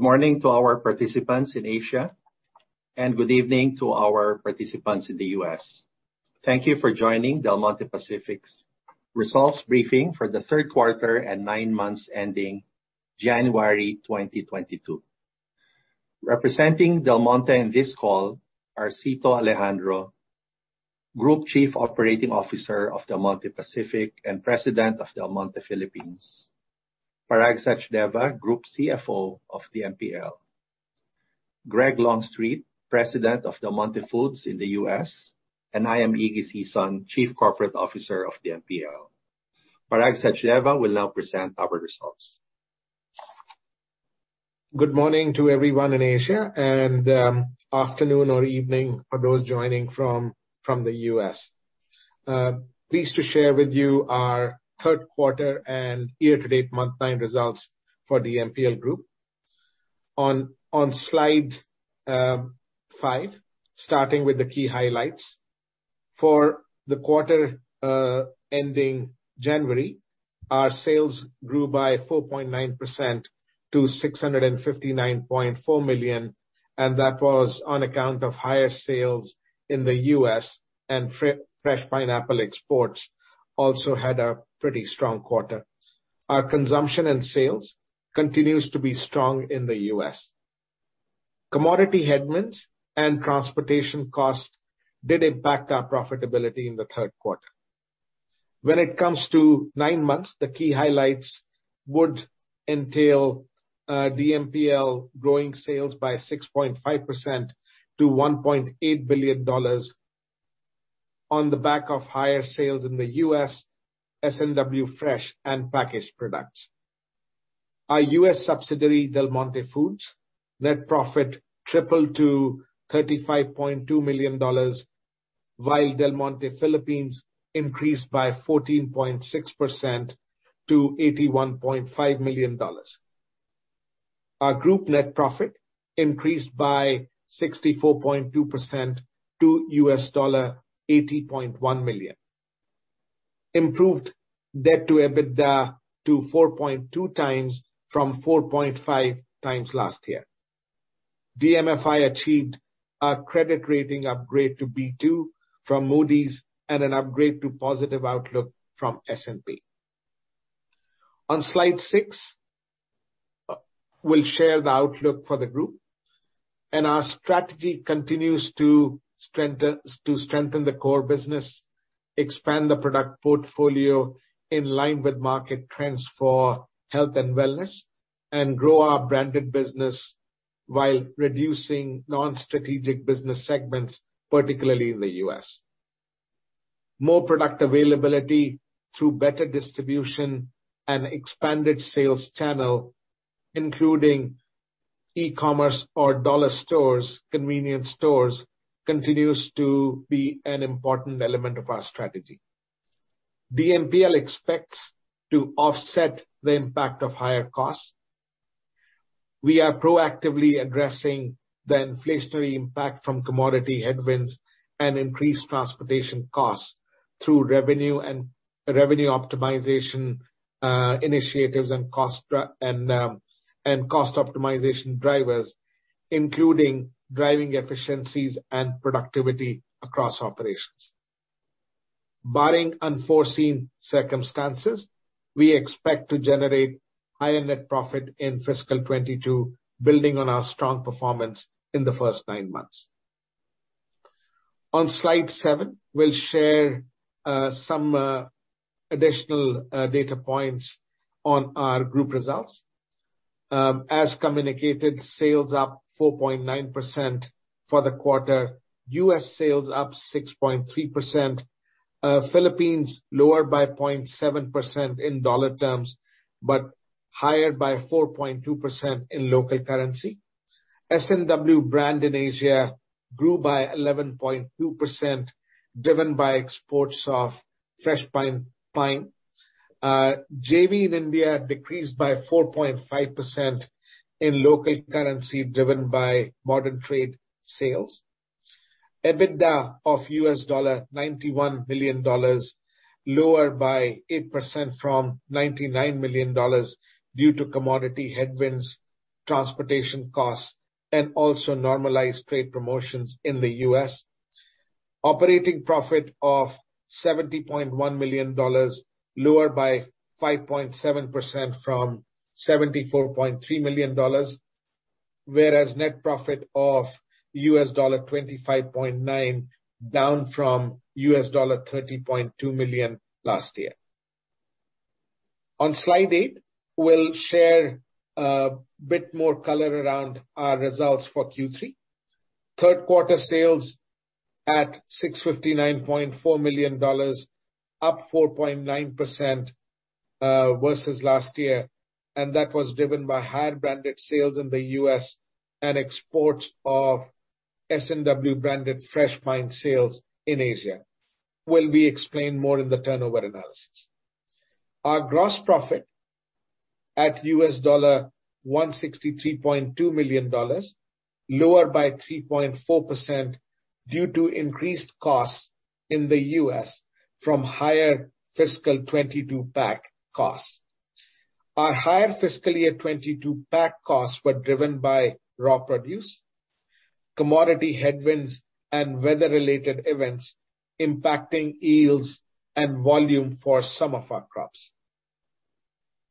Good morning to our participants in Asia, and good evening to our participants in the U.S. Thank you for joining Del Monte Pacific's results briefing for the third quarter and 9 months ending January 2022. Representing Del Monte in this call are Cito Alejandro, Group Chief Operating Officer of Del Monte Pacific and President of Del Monte Philippines. Parag Sachdeva, Group CFO of DMPL. Greg Longstreet, President of Del Monte Foods in the U.S. I am Iggy Sison, Chief Corporate Officer of DMPL. Parag Sachdeva will now present our results. Good morning to everyone in Asia, and afternoon or evening for those joining from the U.S. Pleased to share with you our third quarter and year-to-date month 9 results for DMPL group. On slide 5, starting with the key highlights. For the quarter ending January, our sales grew by 4.9% to $659.4 million, and that was on account of higher sales in the U.S. and fresh pineapple exports also had a pretty strong quarter. Our consumption and sales continues to be strong in the U.S. Commodity headwinds and transportation costs did impact our profitability in the third quarter. When it comes to 9 months, the key highlights would entail, DMPL growing sales by 6.5% to $1.8 billion on the back of higher sales in the U.S., S&W fresh and packaged products. Our U.S. subsidiary, Del Monte Foods, net profit tripled to $35.2 million, while Del Monte Philippines increased by 14.6% to $81.5 million. Our group net profit increased by 64.2% to $80.1 million. Improved debt-to-EBITDA to 4.2x from 4.5x last year. DMFI achieved a credit rating upgrade to B2 from Moody's, and an upgrade to positive outlook from S&P. On slide 6, we'll share the outlook for the group. Our strategy continues to strengthen the core business, expand the product portfolio in line with market trends for health and wellness, and grow our branded business while reducing non-strategic business segments, particularly in the U.S. More product availability through better distribution and expanded sales channel, including e-commerce or dollar stores, convenience stores, continues to be an important element of our strategy. DMPL expects to offset the impact of higher costs. We are proactively addressing the inflationary impact from commodity headwinds and increased transportation costs through revenue and revenue optimization initiatives and cost optimization drivers, including driving efficiencies and productivity across operations. Barring unforeseen circumstances, we expect to generate higher net profit in fiscal 2022, building on our strong performance in the first 9 months. On slide 7, we'll share some additional data points on our group results. As communicated, sales up 4.9% for the quarter. U.S. sales up 6.3%. Philippines lower by 0.7% in dollar terms, but higher by 4.2% in local currency. S&W brand in Asia grew by 11.2%, driven by exports of fresh pineapple. JV in India decreased by 4.5% in local currency, driven by modern trade sales. EBITDA of $91 million, lower by 8% from $99 million due to commodity headwinds, transportation costs, and also normalized trade promotions in the U.S. Operating profit of $70.1 million, lower by 5.7% from $74.3 million, whereas net profit of $25.9 million, down from $30.2 million last year. On slide 8, we'll share a bit more color around our results for Q3. Third quarter sales at $659.4 million, up 4.9% versus last year, and that was driven by higher branded sales in the U.S. and exports of S&W branded fresh pineapple sales in Asia, which will be explained more in the turnover analysis. Our gross profit at $163.2 million, lower by 3.4% due to increased costs in the U.S. from higher fiscal 2022 pack costs. Our higher fiscal year 2022 pack costs were driven by raw produce, commodity headwinds, and weather-related events impacting yields and volume for some of our crops.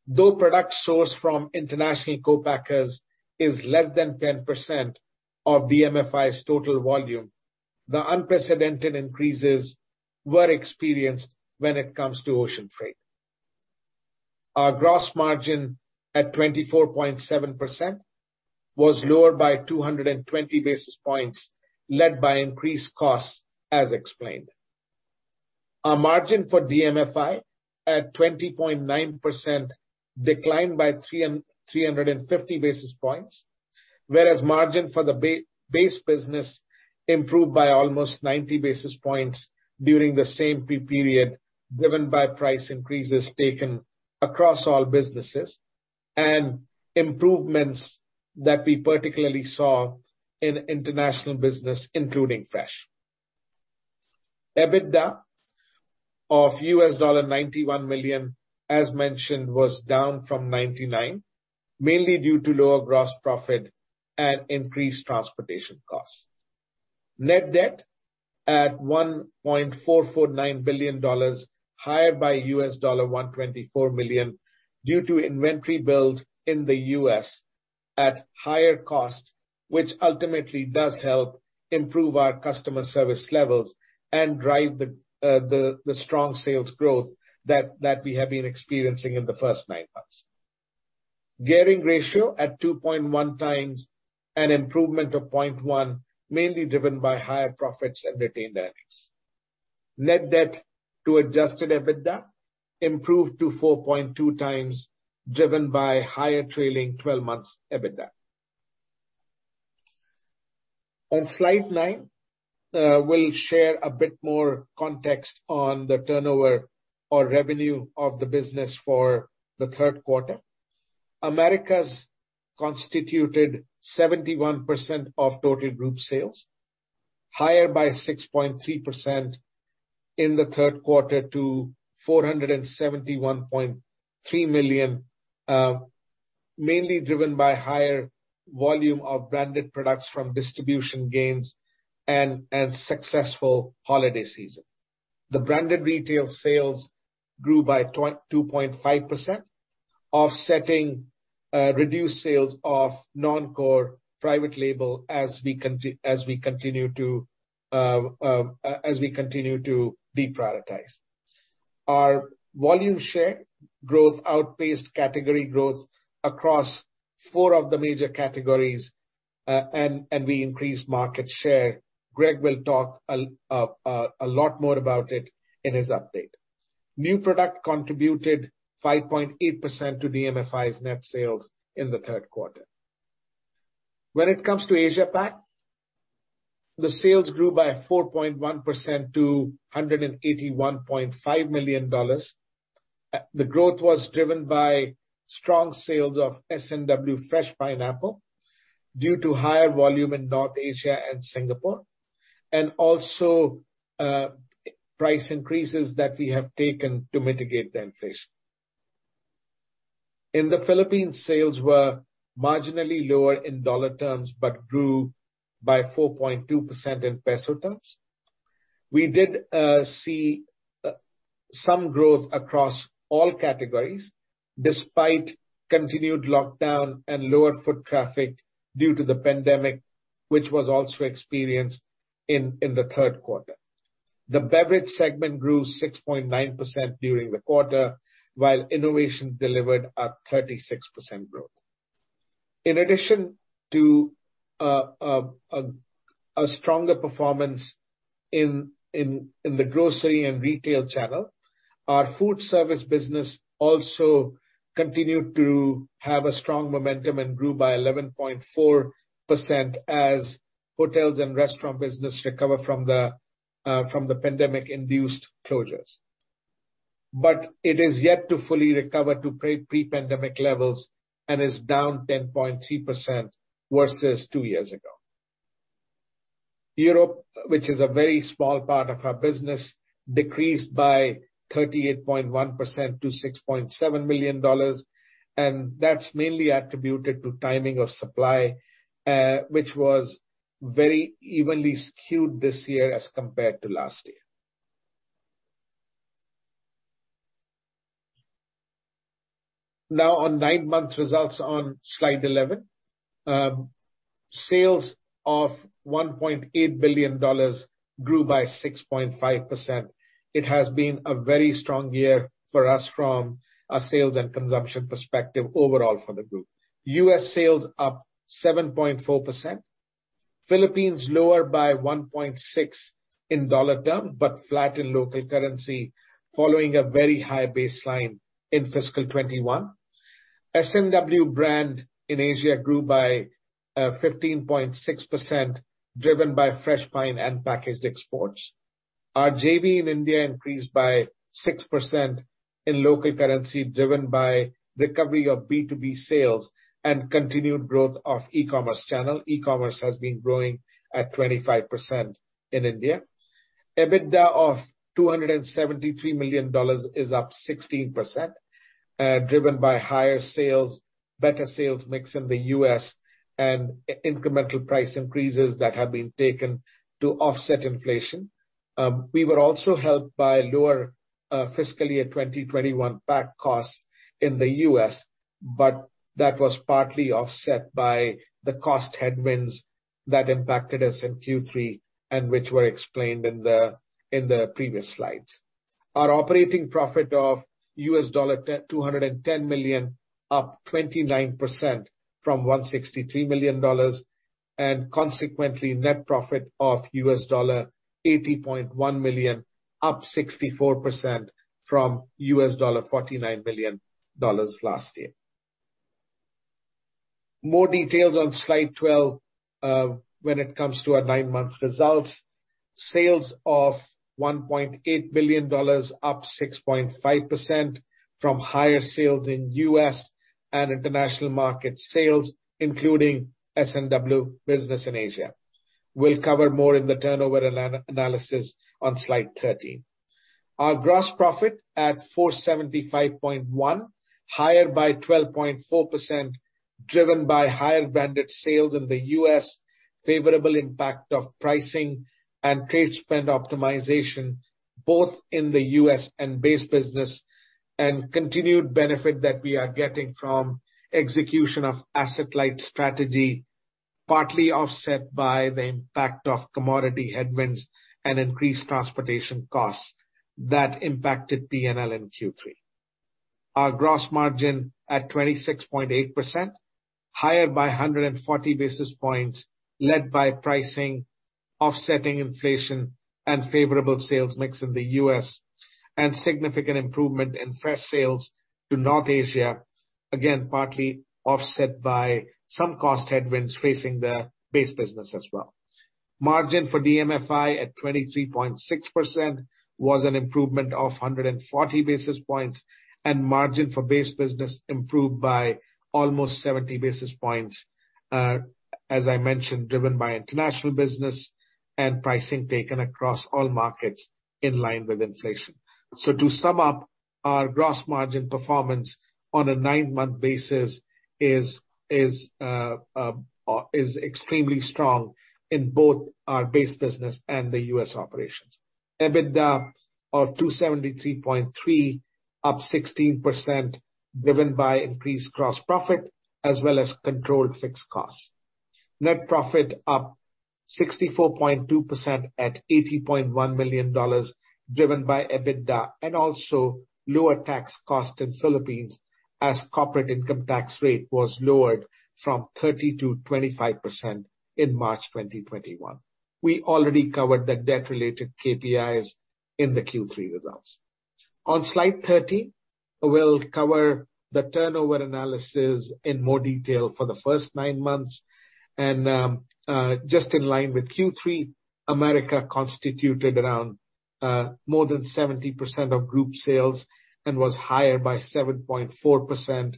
Though product sourced from international co-packers is less than 10% of DMFI's total volume, the unprecedented increases were experienced when it comes to ocean freight. Our gross margin at 24.7% was lower by 220 basis points, led by increased costs, as explained. Our margin for DMFI at 20.9% declined by 350 basis points, whereas margin for the base business improved by almost 90 basis points during the same period, driven by price increases taken across all businesses and improvements that we particularly saw in international business, including Fresh. EBITDA of $91 million, as mentioned, was down from $99 million, mainly due to lower gross profit and increased transportation costs. Net debt at $1.449 billion, higher by $124 million, due to inventory build in the U.S. at higher cost, which ultimately does help improve our customer service levels and drive the strong sales growth that we have been experiencing in the first 9 months. Gearing ratio at 2.1x, an improvement of 0.1x, mainly driven by higher profits and retained earnings. Net debt-to-adjusted EBITDA improved to 4.2x, driven by higher trailing 12 months EBITDA. On slide 9, we'll share a bit more context on the turnover or revenue of the business for the third quarter. Americas constituted 71% of total group sales, higher by 6.3% in the third quarter to $471.3 million, mainly driven by higher volume of branded products from distribution gains and successful holiday season. The branded retail sales grew by 22.5%, offsetting reduced sales of non-core private label as we continue to deprioritize. Our volume share growth outpaced category growth across 4 of the major categories, and we increased market share. Greg will talk a lot more about it in his update. New product contributed 5.8% to DMFI's net sales in the third quarter. When it comes to Asia Pac, the sales grew by 4.1% to $181.5 million. The growth was driven by strong sales of S&W fresh pineapple due to higher volume in North Asia and Singapore, and also price increases that we have taken to mitigate the inflation. In the Philippines, sales were marginally lower in dollar terms but grew by 4.2% in peso terms. We did see some growth across all categories, despite continued lockdown and lower foot traffic due to the pandemic, which was also experienced in the third quarter. The beverage segment grew 6.9% during the quarter, while innovation delivered a 36% growth. In addition to a stronger performance in the grocery and retail channel, our food service business also continued to have a strong momentum and grew by 11.4% as hotels and restaurant business recover from the pandemic-induced closures. It is yet to fully recover to pre-pandemic levels and is down 10.3% versus 2 years ago. Europe, which is a very small part of our business, decreased by 38.1% to $6.7 million, and that's mainly attributed to timing of supply, which was very evenly skewed this year as compared to last year. Now on 9-month results on slide 11. Sales of $1.8 billion grew by 6.5%. It has been a very strong year for us from a sales and consumption perspective overall for the group. U.S. sales up 7.4%. Philippines lower by 1.6% in dollar terms, but flat in local currency, following a very high baseline in fiscal 2021. S&W brand in Asia grew by 15.6%, driven by fresh pine and packaged exports. Our JV in India increased by 6% in local currency, driven by recovery of B2B sales and continued growth of e-commerce channel. E-commerce has been growing at 25% in India. EBITDA of $273 million is up 16%, driven by higher sales, better sales mix in the U.S., and incremental price increases that have been taken to offset inflation. We were also helped by lower fiscal year 2021 pack costs in the U.S., but that was partly offset by the cost headwinds that impacted us in Q3, and which were explained in the previous slides. Our operating profit of $210 million, up 29% from $163 million, and consequently, net profit of $80.1 million, up 64% from $49 million last year. More details on slide 12 when it comes to our 9-month results. Sales of $1.8 billion, up 6.5% from higher sales in U.S. and international market sales, including S&W business in Asia. We'll cover more in the turnover analysis on slide 13. Our gross profit at $475.1, higher by 12.4%, driven by higher branded sales in the U.S., favorable impact of pricing and trade spend optimization, both in the U.S. and base business, and continued benefit that we are getting from execution of asset-light strategy, partly offset by the impact of commodity headwinds and increased transportation costs that impacted P&L in Q3. Our gross margin at 26.8%, higher by 140 basis points, led by pricing, offsetting inflation, and favorable sales mix in the U.S., and significant improvement in Fresh sales to North Asia, again, partly offset by some cost headwinds facing the base business as well. Margin for DMFI at 23.6% was an improvement of 140 basis points, and margin for base business improved by almost 70 basis points, as I mentioned, driven by international business and pricing taken across all markets in line with inflation. To sum up, our gross margin performance on a 9-month basis is extremely strong in both our base business and the U.S. operations. EBITDA of 273.3, up 16%, driven by increased gross profit as well as controlled fixed costs. Net profit up 64.2% at $80.1 million, driven by EBITDA and also lower tax cost in Philippines as corporate income tax rate was lowered from 30% to 25% in March 2021. We already covered the debt-related KPIs in the Q3 results. On slide 13, we'll cover the turnover analysis in more detail for the first 9 months. Just in line with Q3, Americas constituted around more than 70% of group sales and was higher by 7.4%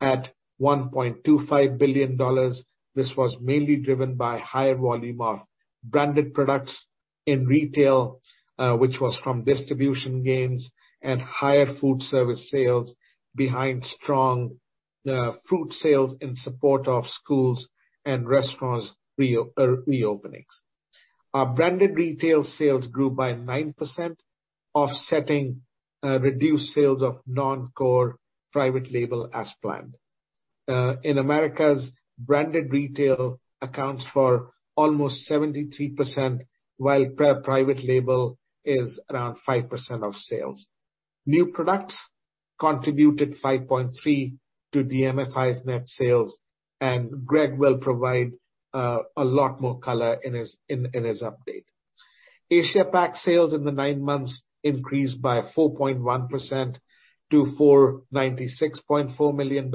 at $1.25 billion. This was mainly driven by higher volume of branded products in retail, which was from distribution gains and higher food service sales behind strong food sales in support of schools and restaurants reopenings. Our branded retail sales grew by 9%, offsetting reduced sales of non-core private label as planned. In Americas, branded retail accounts for almost 73%, while private label is around 5% of sales. New products contributed 5.3% to DMFI's net sales, and Greg will provide a lot more color in his update. Asia Pac sales in the 9 months increased by 4.1% to $496.4 million,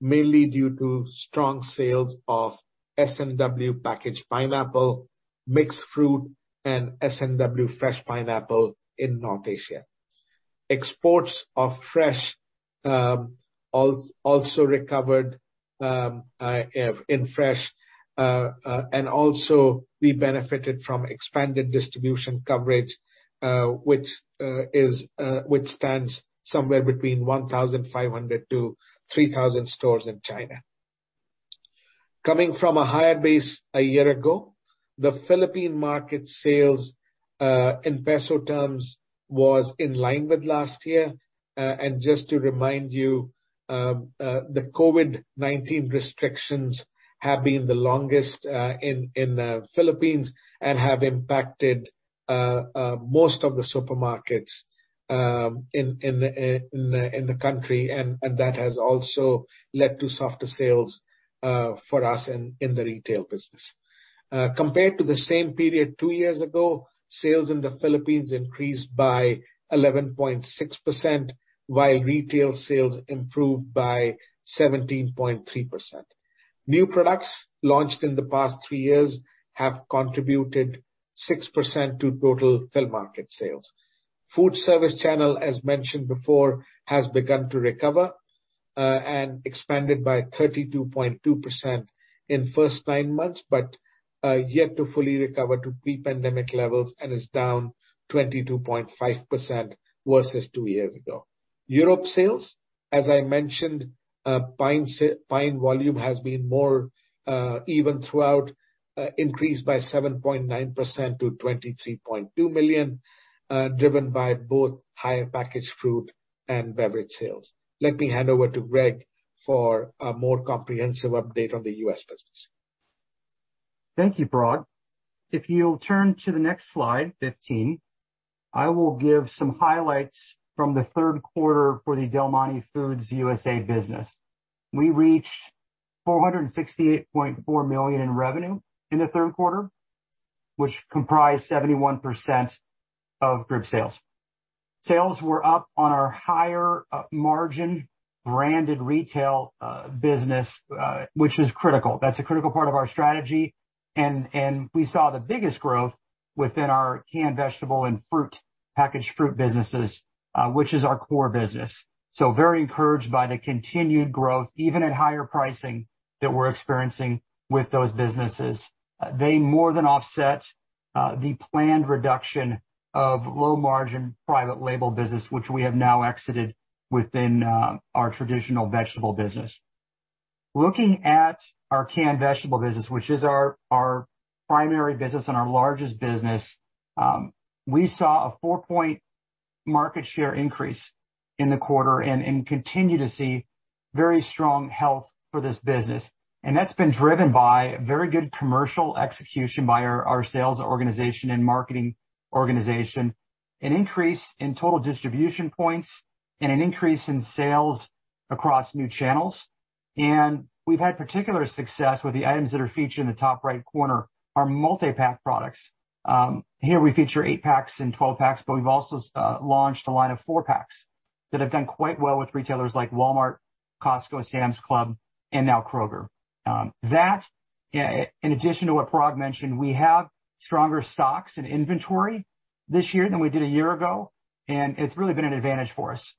mainly due to strong sales of S&W packaged pineapple, mixed fruit, and S&W fresh pineapple in North Asia. Exports of Fresh also recovered. And also we benefited from expanded distribution coverage, which stands somewhere between 1,500-3,000 stores in China. Coming from a higher base a year ago, the Philippine market sales in peso terms was in line with last year. Just to remind you, the COVID-19 restrictions have been the longest in the Philippines and have impacted most of the supermarkets in the country, and that has also led to softer sales for us in the retail business. Compared to the same period 2 years ago, sales in the Philippines increased by 11.6%, while retail sales improved by 17.3%. New products launched in the past 3 years have contributed 6% to total Philippine market sales. Foodservice channel, as mentioned before, has begun to recover and expanded by 32.2% in the first 9 months, but yet to fully recover to pre-pandemic levels and is down 22.5% versus 2 years ago. Europe sales, as I mentioned, pineapple volume has been more even throughout, increased by 7.9% to 23.2 million, driven by both higher packaged fruit and beverage sales. Let me hand over to Greg for a more comprehensive update on the U.S. business. Thank you, Parag. If you'll turn to the next slide 15, I will give some highlights from the third quarter for the Del Monte Foods U.S. business. We reached $468.4 million in revenue in the third quarter, which comprised 71% of group sales. Sales were up on our higher margin branded retail business, which is critical. That's a critical part of our strategy and we saw the biggest growth within our canned vegetable and fruit, packaged fruit businesses, which is our core business. Very encouraged by the continued growth, even at higher pricing that we're experiencing with those businesses. They more than offset the planned reduction of low margin private label business which we have now exited within our traditional vegetable business. Looking at our canned vegetable business, which is our primary business and our largest business, we saw a 4-point market share increase in the quarter and continue to see very strong health for this business. That's been driven by very good commercial execution by our sales organization and marketing organization, an increase in total distribution points and an increase in sales across new channels. We've had particular success with the items that are featured in the top right corner, our multi-pack products. Here we feature 8 packs and 12 packs, but we've also launched a line of 4 packs that have done quite well with retailers like Walmart, Costco, Sam's Club, and now Kroger. In addition to what Parag mentioned, we have stronger stocks and inventory this year than we did a year ago, and it's really been an advantage for us.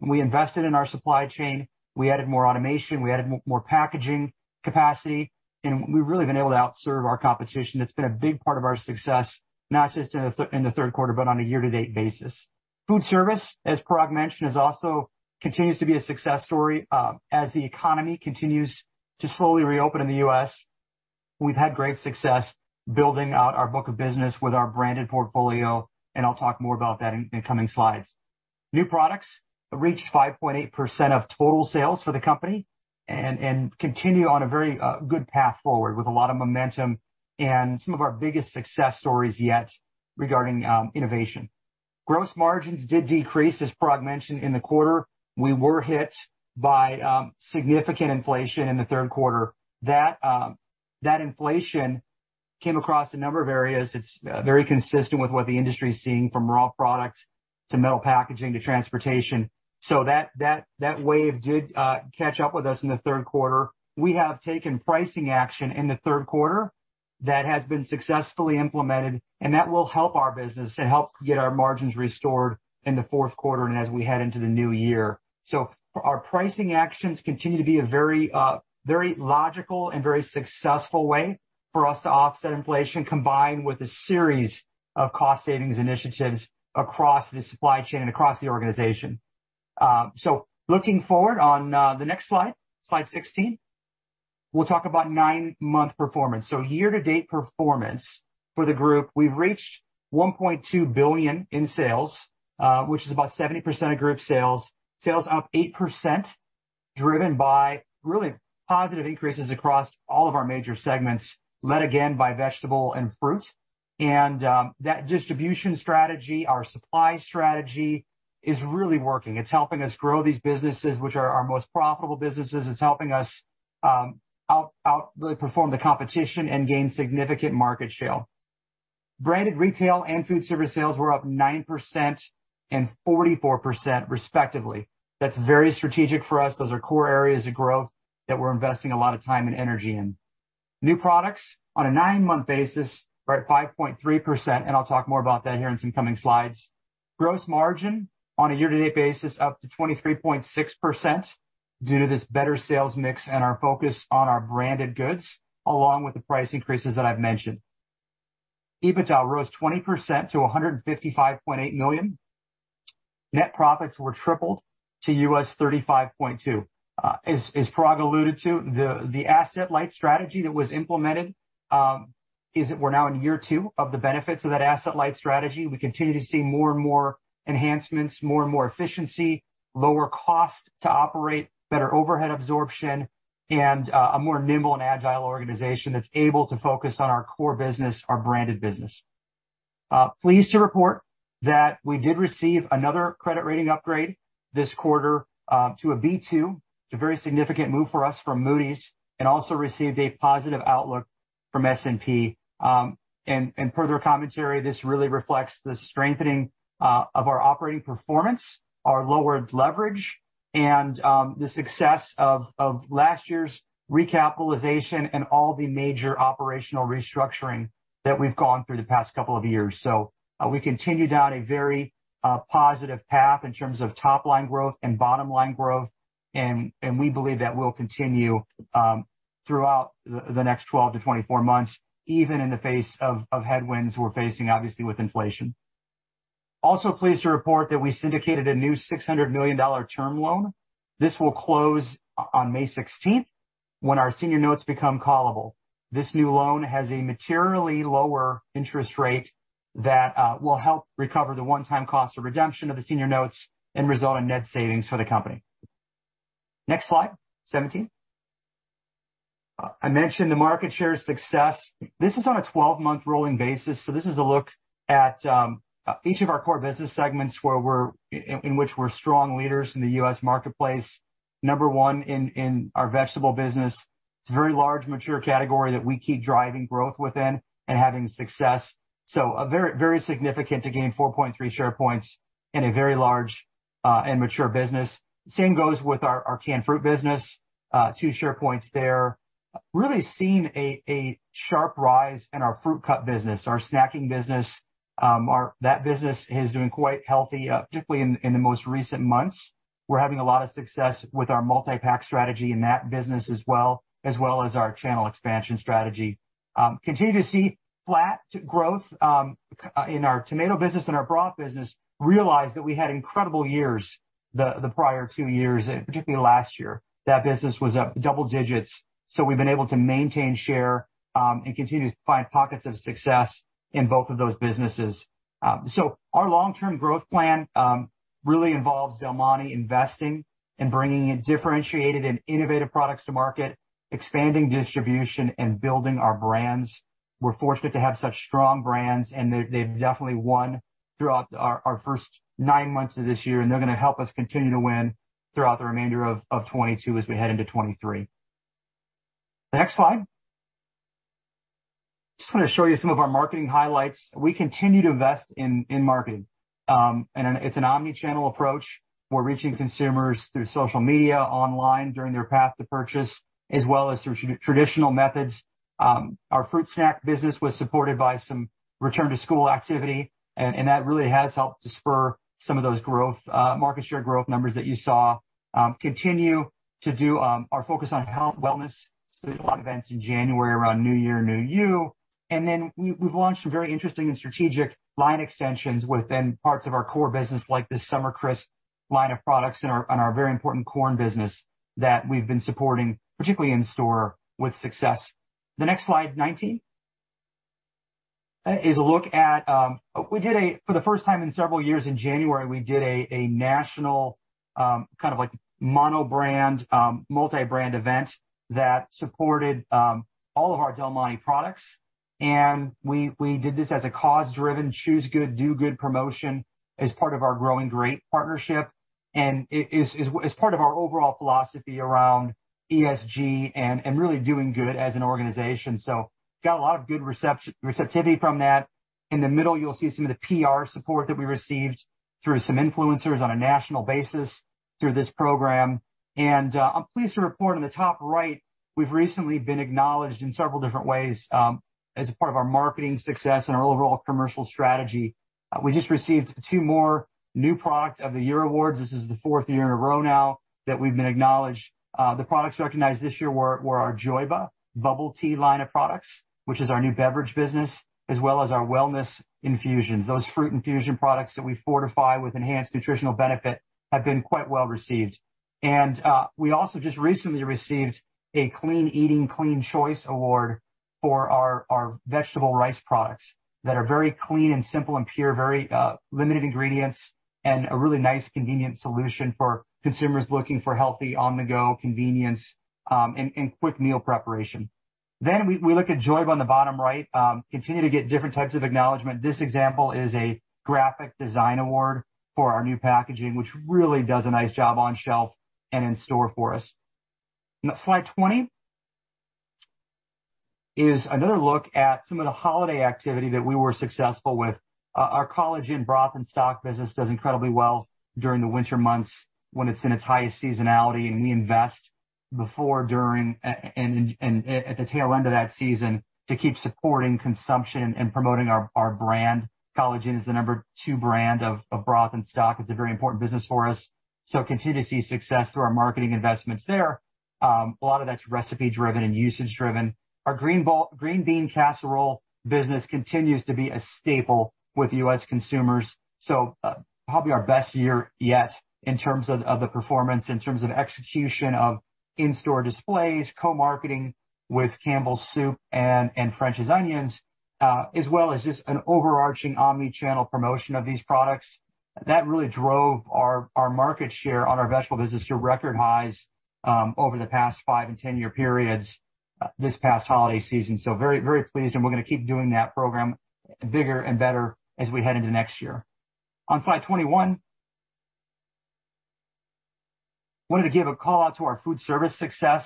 We invested in our supply chain. We added more automation. We added more packaging capacity, and we've really been able to out-serve our competition. It's been a big part of our success, not just in the third quarter, but on a year-to-date basis. Food service, as Parag mentioned, is also continues to be a success story, as the economy continues to slowly reopen in the U.S. We've had great success building out our book of business with our branded portfolio, and I'll talk more about that in coming slides. New products reached 5.8% of total sales for the company and continue on a very good path forward with a lot of momentum and some of our biggest success stories yet regarding innovation. Gross margins did decrease, as Parag mentioned, in the quarter. We were hit by significant inflation in the third quarter. That inflation came across a number of areas. It's very consistent with what the industry is seeing from raw products to metal packaging to transportation. So that wave did catch up with us in the third quarter. We have taken pricing action in the third quarter that has been successfully implemented, and that will help our business to help get our margins restored in the fourth quarter and as we head into the new year. Our pricing actions continue to be a very very logical and very successful way for us to offset inflation combined with a series of cost savings initiatives across the supply chain and across the organization. Looking forward on the next slide 16, we'll talk about 9-month performance. Year-to-date performance for the group, we've reached $1.2 billion in sales, which is about 70% of group sales. Sales up 8%, driven by really positive increases across all of our major segments, led again by Vegetable and Fruit. That distribution strategy, our supply strategy is really working. It's helping us grow these businesses, which are our most profitable businesses. It's helping us really outperform the competition and gain significant market share. Branded Retail and Food Service sales were up 9% and 44% respectively. That's very strategic for us. Those are core areas of growth that we're investing a lot of time and energy in. New products on a 9-month basis are at 5.3%, and I'll talk more about that here in some coming slides. Gross margin on a year-to-date basis up to 23.6% due to this better sales mix and our focus on our branded goods, along with the price increases that I've mentioned. EBITDA rose 20% to $155.8 million. Net profits were tripled to $35.2 million. As Parag alluded to, the asset-light strategy that was implemented is that we're now in year 2 of the benefits of that asset-light strategy. We continue to see more and more enhancements, more and more efficiency, lower cost to operate, better overhead absorption, and a more nimble and agile organization that's able to focus on our core business, our branded business. Pleased to report that we did receive another credit rating upgrade this quarter to a B2. It's a very significant move for us from Moody's and also received a positive outlook from S&P. And further commentary, this really reflects the strengthening of our operating performance, our lowered leverage, and the success of last year's recapitalization and all the major operational restructuring that we've gone through the past couple of years. We continue down a very positive path in terms of top line growth and bottom line growth, and we believe that will continue throughout the next 12 months-24 months, even in the face of headwinds we're facing, obviously, with inflation. Also pleased to report that we syndicated a new $600 million term loan. This will close on May 16 when our senior notes become callable. This new loan has a materially lower interest rate that will help recover the one-time cost of redemption of the senior notes and result in net savings for the company. Next slide. 17. I mentioned the market share success. This is on a 12-month rolling basis, so this is a look at each of our core business segments in which we're strong leaders in the U.S. marketplace. No. 1 in our vegetable business. It's a very large, mature category that we keep driving growth within and having success. A very significant to gain 4.3 share points in a very large, and mature business. Same goes with our canned fruit business, 2 share points there. Really seeing a sharp rise in our fruit cup business, our snacking business. That business is doing quite healthy, particularly in the most recent months. We're having a lot of success with our multi-pack strategy in that business as well as our channel expansion strategy. We continue to see flat growth in our tomato business and our broth business. We realize that we had incredible years the prior two years, particularly last year. That business was up double digits, so we've been able to maintain share and continue to find pockets of success in both of those businesses. Our long-term growth plan really involves Del Monte investing and bringing in differentiated and innovative products to market, expanding distribution, and building our brands. We're fortunate to have such strong brands, and they've definitely won throughout our first nine months of this year, and they're gonna help us continue to win throughout the remainder of 2022 as we head into 2023. Next slide. Just wanna show you some of our marketing highlights. We continue to invest in marketing, and it's an omnichannel approach. We're reaching consumers through social media, online during their path to purchase, as well as through traditional methods. Our fruit snack business was supported by some return to school activity, and that really has helped to spur some of those growth, market share growth numbers that you saw. Continue to do our focus on health, wellness, so a lot of events in January around New Year, New You. We've launched some very interesting and strategic line extensions within parts of our core business, like the Summer Crisp line of products in our very important corn business that we've been supporting, particularly in store with success. The next slide, 19, is a look at. We did a—for the first time in several years in January, we did a national, kind of like mono brand, multi-brand event that supported all of our Del Monte products. We did this as a cause-driven Choose Good Do Good promotion as part of our GrowingGreat partnership, and it is part of our overall philosophy around ESG and really doing good as an organization. We got a lot of good receptivity from that. In the middle, you'll see some of the PR support that we received through some influencers on a national basis through this program. I'm pleased to report on the top right, we've recently been acknowledged in several different ways, as a part of our marketing success and our overall commercial strategy. We just received two more new Product of the Year awards. This is the fourth year in a row now that we've been acknowledged. The products recognized this year were our JOYBA bubble tea line of products, which is our new beverage business, as well as our wellness infusions. Those fruit infusion products that we fortify with enhanced nutritional benefit have been quite well received. We also just recently received a Clean Eating Clean Choice Award for our vegetable rice products that are very clean and simple and pure, very limited ingredients and a really nice convenient solution for consumers looking for healthy, on-the-go convenience, and quick meal preparation. We look at JOYBA on the bottom right, continue to get different types of acknowledgment. This example is a graphic design award for our new packaging, which really does a nice job on shelf and in store for us. Slide 20 is another look at some of the holiday activity that we were successful with. Our College Inn broth and stock business does incredibly well during the winter months when it's in its highest seasonality, and we invest before, during, and at the tail end of that season to keep supporting consumption and promoting our brand. College Inn is the number two brand of broth and stock. It's a very important business for us, so continue to see success through our marketing investments there. A lot of that's recipe driven and usage driven. Our green bean casserole business continues to be a staple with U.S. consumers. Probably our best year yet in terms of the performance in terms of execution of in-store displays, co-marketing with Campbell Soup and French's Onions, as well as just an overarching omnichannel promotion of these products. That really drove our market share on our vegetable business to record highs over the past 5-year and 10-year periods this past holiday season. Very pleased, and we're gonna keep doing that program bigger and better as we head into next year. On slide 21, wanted to give a call out to our food service success.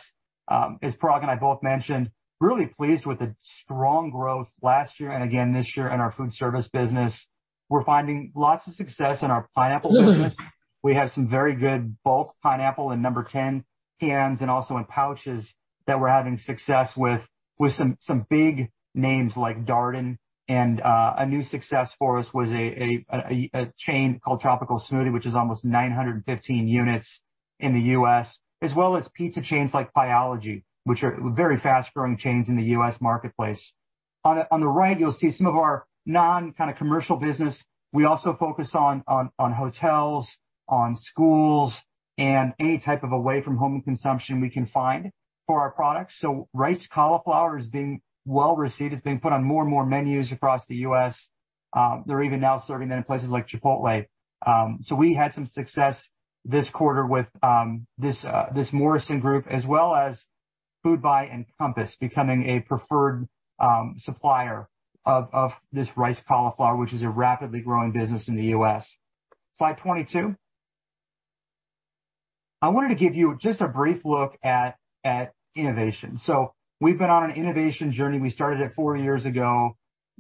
As Parag and I both mentioned, really pleased with the strong growth last year and again this year in our food service business. We're finding lots of success in our pineapple business. We have some very good bulk pineapple in number 10 cans and also in pouches that we're having success with big names like Darden. A new success for us was a chain called Tropical Smoothie, which is almost 915 units in the U.S., as well as pizza chains like Pieology, which are very fast-growing chains in the U.S. marketplace. On the right, you'll see some of our non-commercial business. We also focus on hotels, on schools, and any type of away from home consumption we can find for our products. Riced cauliflower is being well-received. It's being put on more and more menus across the U.S. They're even now serving that in places like Chipotle. We had some success this quarter with this Morrison Group, as well as Foodbuy and Compass becoming a preferred supplier of this riced cauliflower, which is a rapidly growing business in the U.S. Slide 22. I wanted to give you just a brief look at innovation. We've been on an innovation journey. We started it 4 years ago.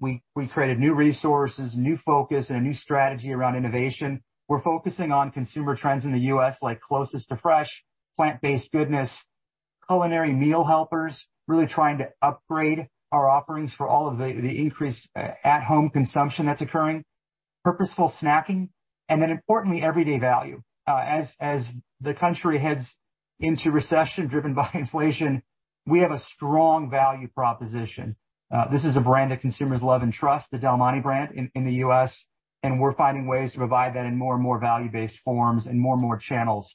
We created new resources, new focus, and a new strategy around innovation. We're focusing on consumer trends in the U.S., like closest to Fresh, plant-based goodness, culinary meal helpers, really trying to upgrade our offerings for all of the increased at-home consumption that's occurring. Purposeful snacking, and then importantly, everyday value. As the country heads into recession driven by inflation, we have a strong value proposition. This is a brand that consumers love and trust, the Del Monte brand in the U.S., and we're finding ways to provide that in more and more value-based forms and more and more channels,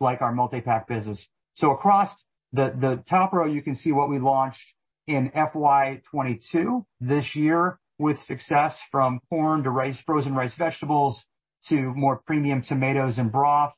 like our multi-pack business. Across the top row, you can see what we launched in FY 2022 this year with success from corn to rice, frozen rice vegetables, to more premium tomatoes and broth,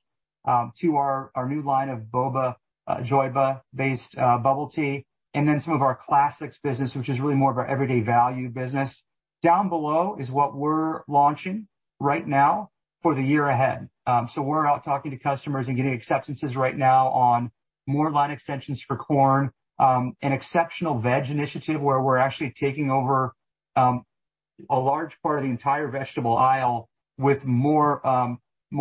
to our new line of boba JOYBA-based bubble tea, and then some of our classics business, which is really more of our everyday value business. Down below is what we're launching right now for the year ahead. We're out talking to customers and getting acceptances right now on more line extensions for corn, an exceptional veg initiative where we're actually taking over a large part of the entire vegetable aisle with more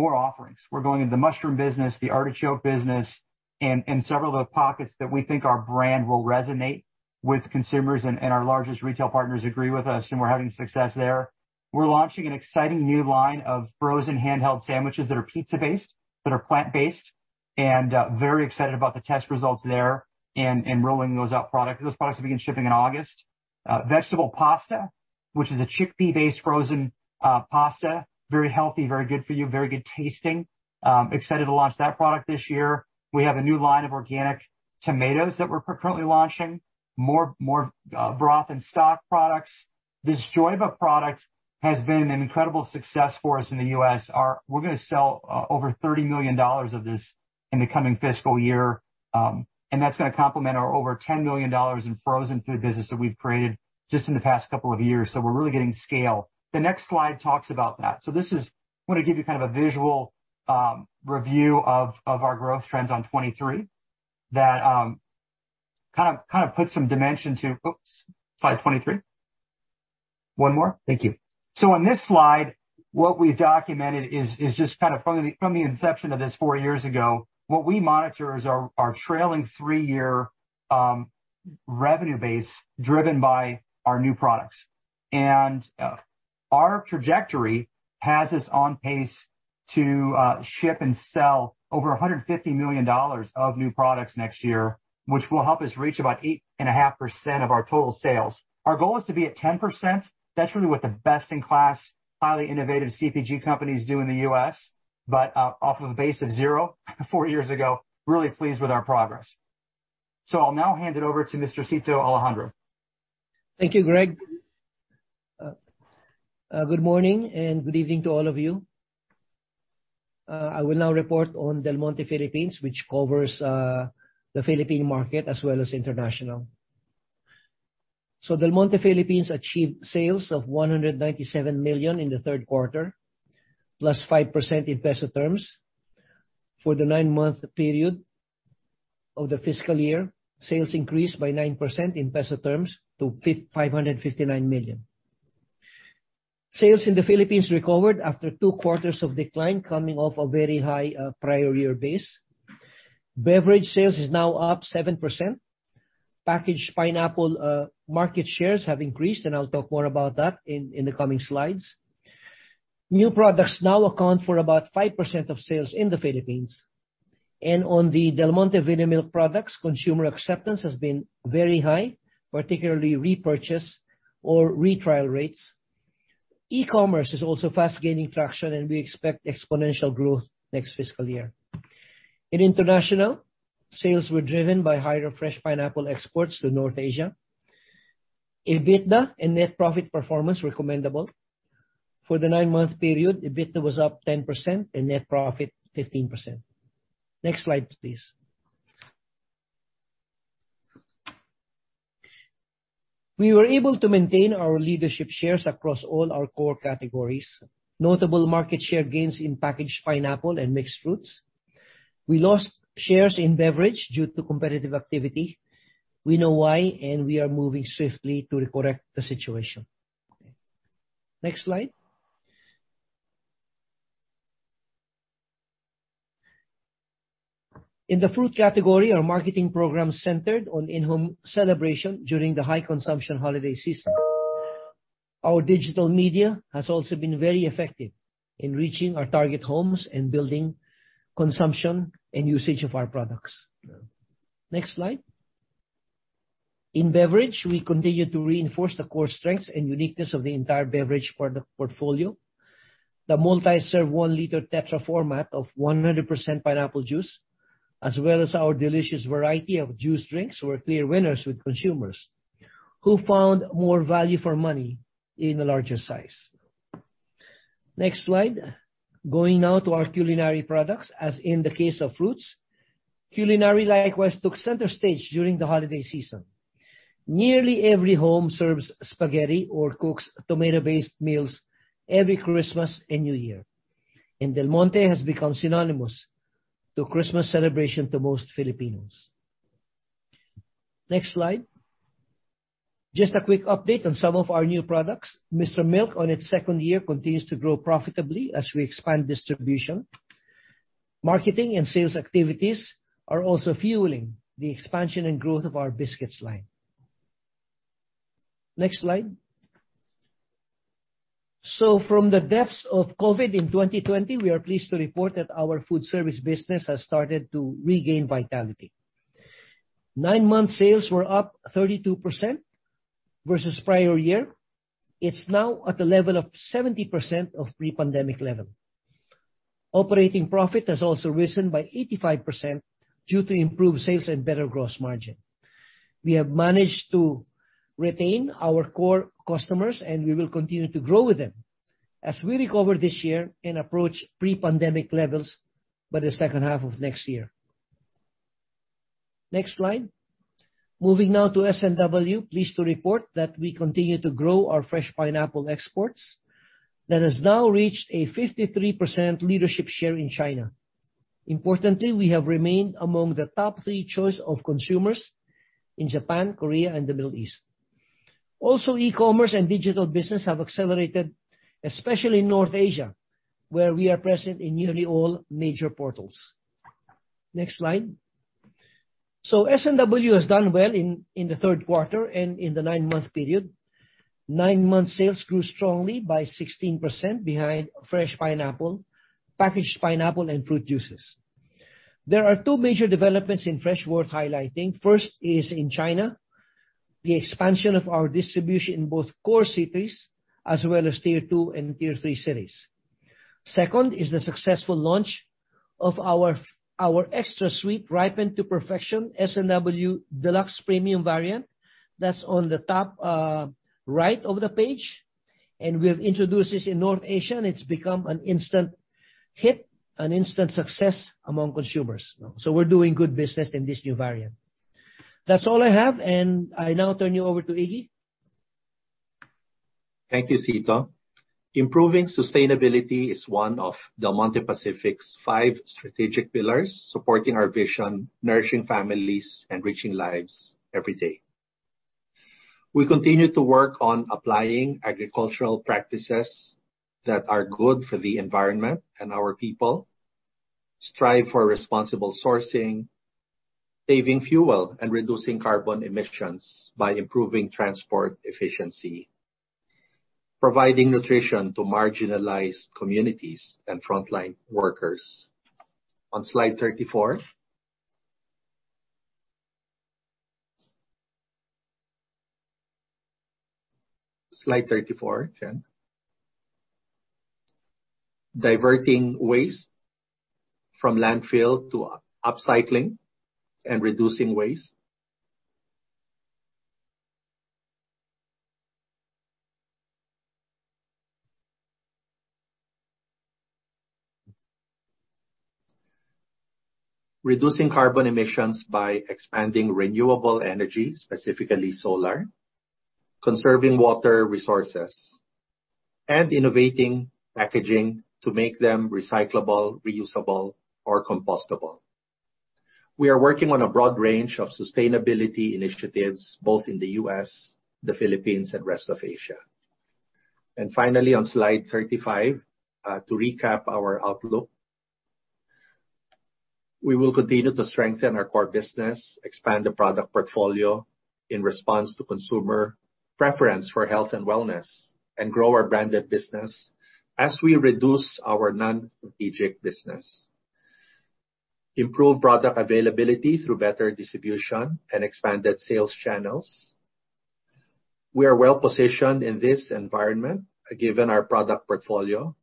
offerings. We're going into the mushroom business, the artichoke business, and several other pockets that we think our brand will resonate with consumers and our largest retail partners agree with us, and we're having success there. We're launching an exciting new line of frozen handheld sandwiches that are pizza-based, that are plant-based, and very excited about the test results there and rolling those out. Those products will begin shipping in August. Vegetable pasta, which is a chickpea-based frozen pasta, very healthy, very good for you, very good tasting. Excited to launch that product this year. We have a new line of organic tomatoes that we're currently launching, more broth and stock products. This JOYBA product has been an incredible success for us in the U.S. We're gonna sell over $30 million of this in the coming fiscal year, and that's gonna complement our over $10 million in frozen food business that we've created just in the past couple of years. We're really getting scale. The next slide talks about that. I wanna give you kind of a visual review of our growth trends in 2023 that kind of put some dimension to it. Oops, slide 23. One more. Thank you. On this slide, what we've documented is just kind of from the inception of this 4 years ago, what we monitor is our trailing 3-year revenue base driven by our new products. Our trajectory has us on pace to ship and sell over $150 million of new products next year, which will help us reach about 8.5% of our total sales. Our goal is to be at 10%. That's really what the best in class, highly innovative CPG companies do in the U.S. Off of a base of zero four years ago, really pleased with our progress. I'll now hand it over to Mr. Cito Alejandro. Thank you, Greg. Good morning and good evening to all of you. I will now report on Del Monte Philippines, which covers the Philippine market as well as international. Del Monte Philippines achieved sales of 197 million in the third quarter, +5% in peso terms. For the 9-month period of the fiscal year, sales increased by 9% in peso terms to 559 million. Sales in the Philippines recovered after 2 quarters of decline coming off a very high prior year base. Beverage sales is now up 7%. Packaged pineapple market shares have increased, and I'll talk more about that in the coming slides. New products now account for about 5% of sales in the Philippines. On the Del Monte-Vinamilk products, consumer acceptance has been very high, particularly repurchase or retrial rates. E-commerce is also fast gaining traction, and we expect exponential growth next fiscal year. In international, sales were driven by higher fresh pineapple exports to North Asia. EBITDA and net profit performance remarkable. For the 9-month period, EBITDA was up 10% and net profit 15%. Next slide, please. We were able to maintain our leadership shares across all our core categories. Notable market share gains in packaged pineapple and mixed fruits. We lost shares in beverage due to competitive activity. We know why, and we are moving swiftly to correct the situation. Next slide. In the fruit category, our marketing program centered on in-home celebration during the high consumption holiday season. Our digital media has also been very effective in reaching our target homes and building consumption and usage of our products. Next slide. In beverage, we continue to reinforce the core strengths and uniqueness of the entire beverage product portfolio. The multi-serve 1-liter tetra format of 100% pineapple juice, as well as our delicious variety of juice drinks, were clear winners with consumers, who found more value for money in the larger size. Next slide. Going now to our culinary products, as in the case of fruits, culinary likewise took center stage during the holiday season. Nearly every home serves spaghetti or cooks tomato-based meals every Christmas and New Year. Del Monte has become synonymous to Christmas celebration to most Filipinos. Next slide. Just a quick update on some of our new products. Mr. Milk, on its second year, continues to grow profitably as we expand distribution. Marketing and sales activities are also fueling the expansion and growth of our biscuits line. Next slide. From the depths of COVID in 2020, we are pleased to report that our food service business has started to regain vitality. 9-month sales were up 32% versus prior year. It's now at the level of 70% of pre-pandemic level. Operating profit has also risen by 85% due to improved sales and better gross margin. We have managed to retain our core customers, and we will continue to grow with them as we recover this year and approach pre-pandemic levels by the second half of next year. Next slide. Moving now to S&W. pleased to report that we continue to grow our fresh pineapple exports that has now reached a 53% leadership share in China. Importantly, we have remained among the top three choice of consumers in Japan, Korea, and the Middle East. Also, e-commerce and digital business have accelerated, especially in North Asia, where we are present in nearly all major portals. Next slide. S&W has done well in the third quarter and in the 9-month period. Nine-month sales grew strongly by 16% behind fresh pineapple, packaged pineapple, and fruit juices. There are two major developments in Fresh worth highlighting. First is in China, the expansion of our distribution in both core cities as well as Tier 2 and Tier 3 cities. Second is the successful launch of our extra-sweet, ripened to perfection S&W Deluxe premium variant. That's on the top right of the page, and we have introduced this in North Asia, and it's become an instant hit, an instant success among consumers. We're doing good business in this new variant. That's all I have, and I now turn you over to Iggy. Thank you, Cito. Improving sustainability is one of Del Monte Pacific's five strategic pillars, supporting our vision, nourishing families and reaching lives every day. We continue to work on applying agricultural practices that are good for the environment and our people, strive for responsible sourcing, saving fuel, and reducing carbon emissions by improving transport efficiency, providing nutrition to marginalized communities and frontline workers. On slide 34, Jen. Diverting waste from landfill to upcycling and reducing waste. Reducing carbon emissions by expanding renewable energy, specifically solar, conserving water resources, and innovating packaging to make them recyclable, reusable or compostable. We are working on a broad range of sustainability initiatives both in the U.S., the Philippines, and rest of Asia. Finally, on slide 35, to recap our outlook. We will continue to strengthen our core business, expand the product portfolio in response to consumer preference for health and wellness, and grow our branded business as we reduce our non-strategic business, improve product availability through better distribution and expanded sales channels. We are well-positioned in this environment, given our product portfolio,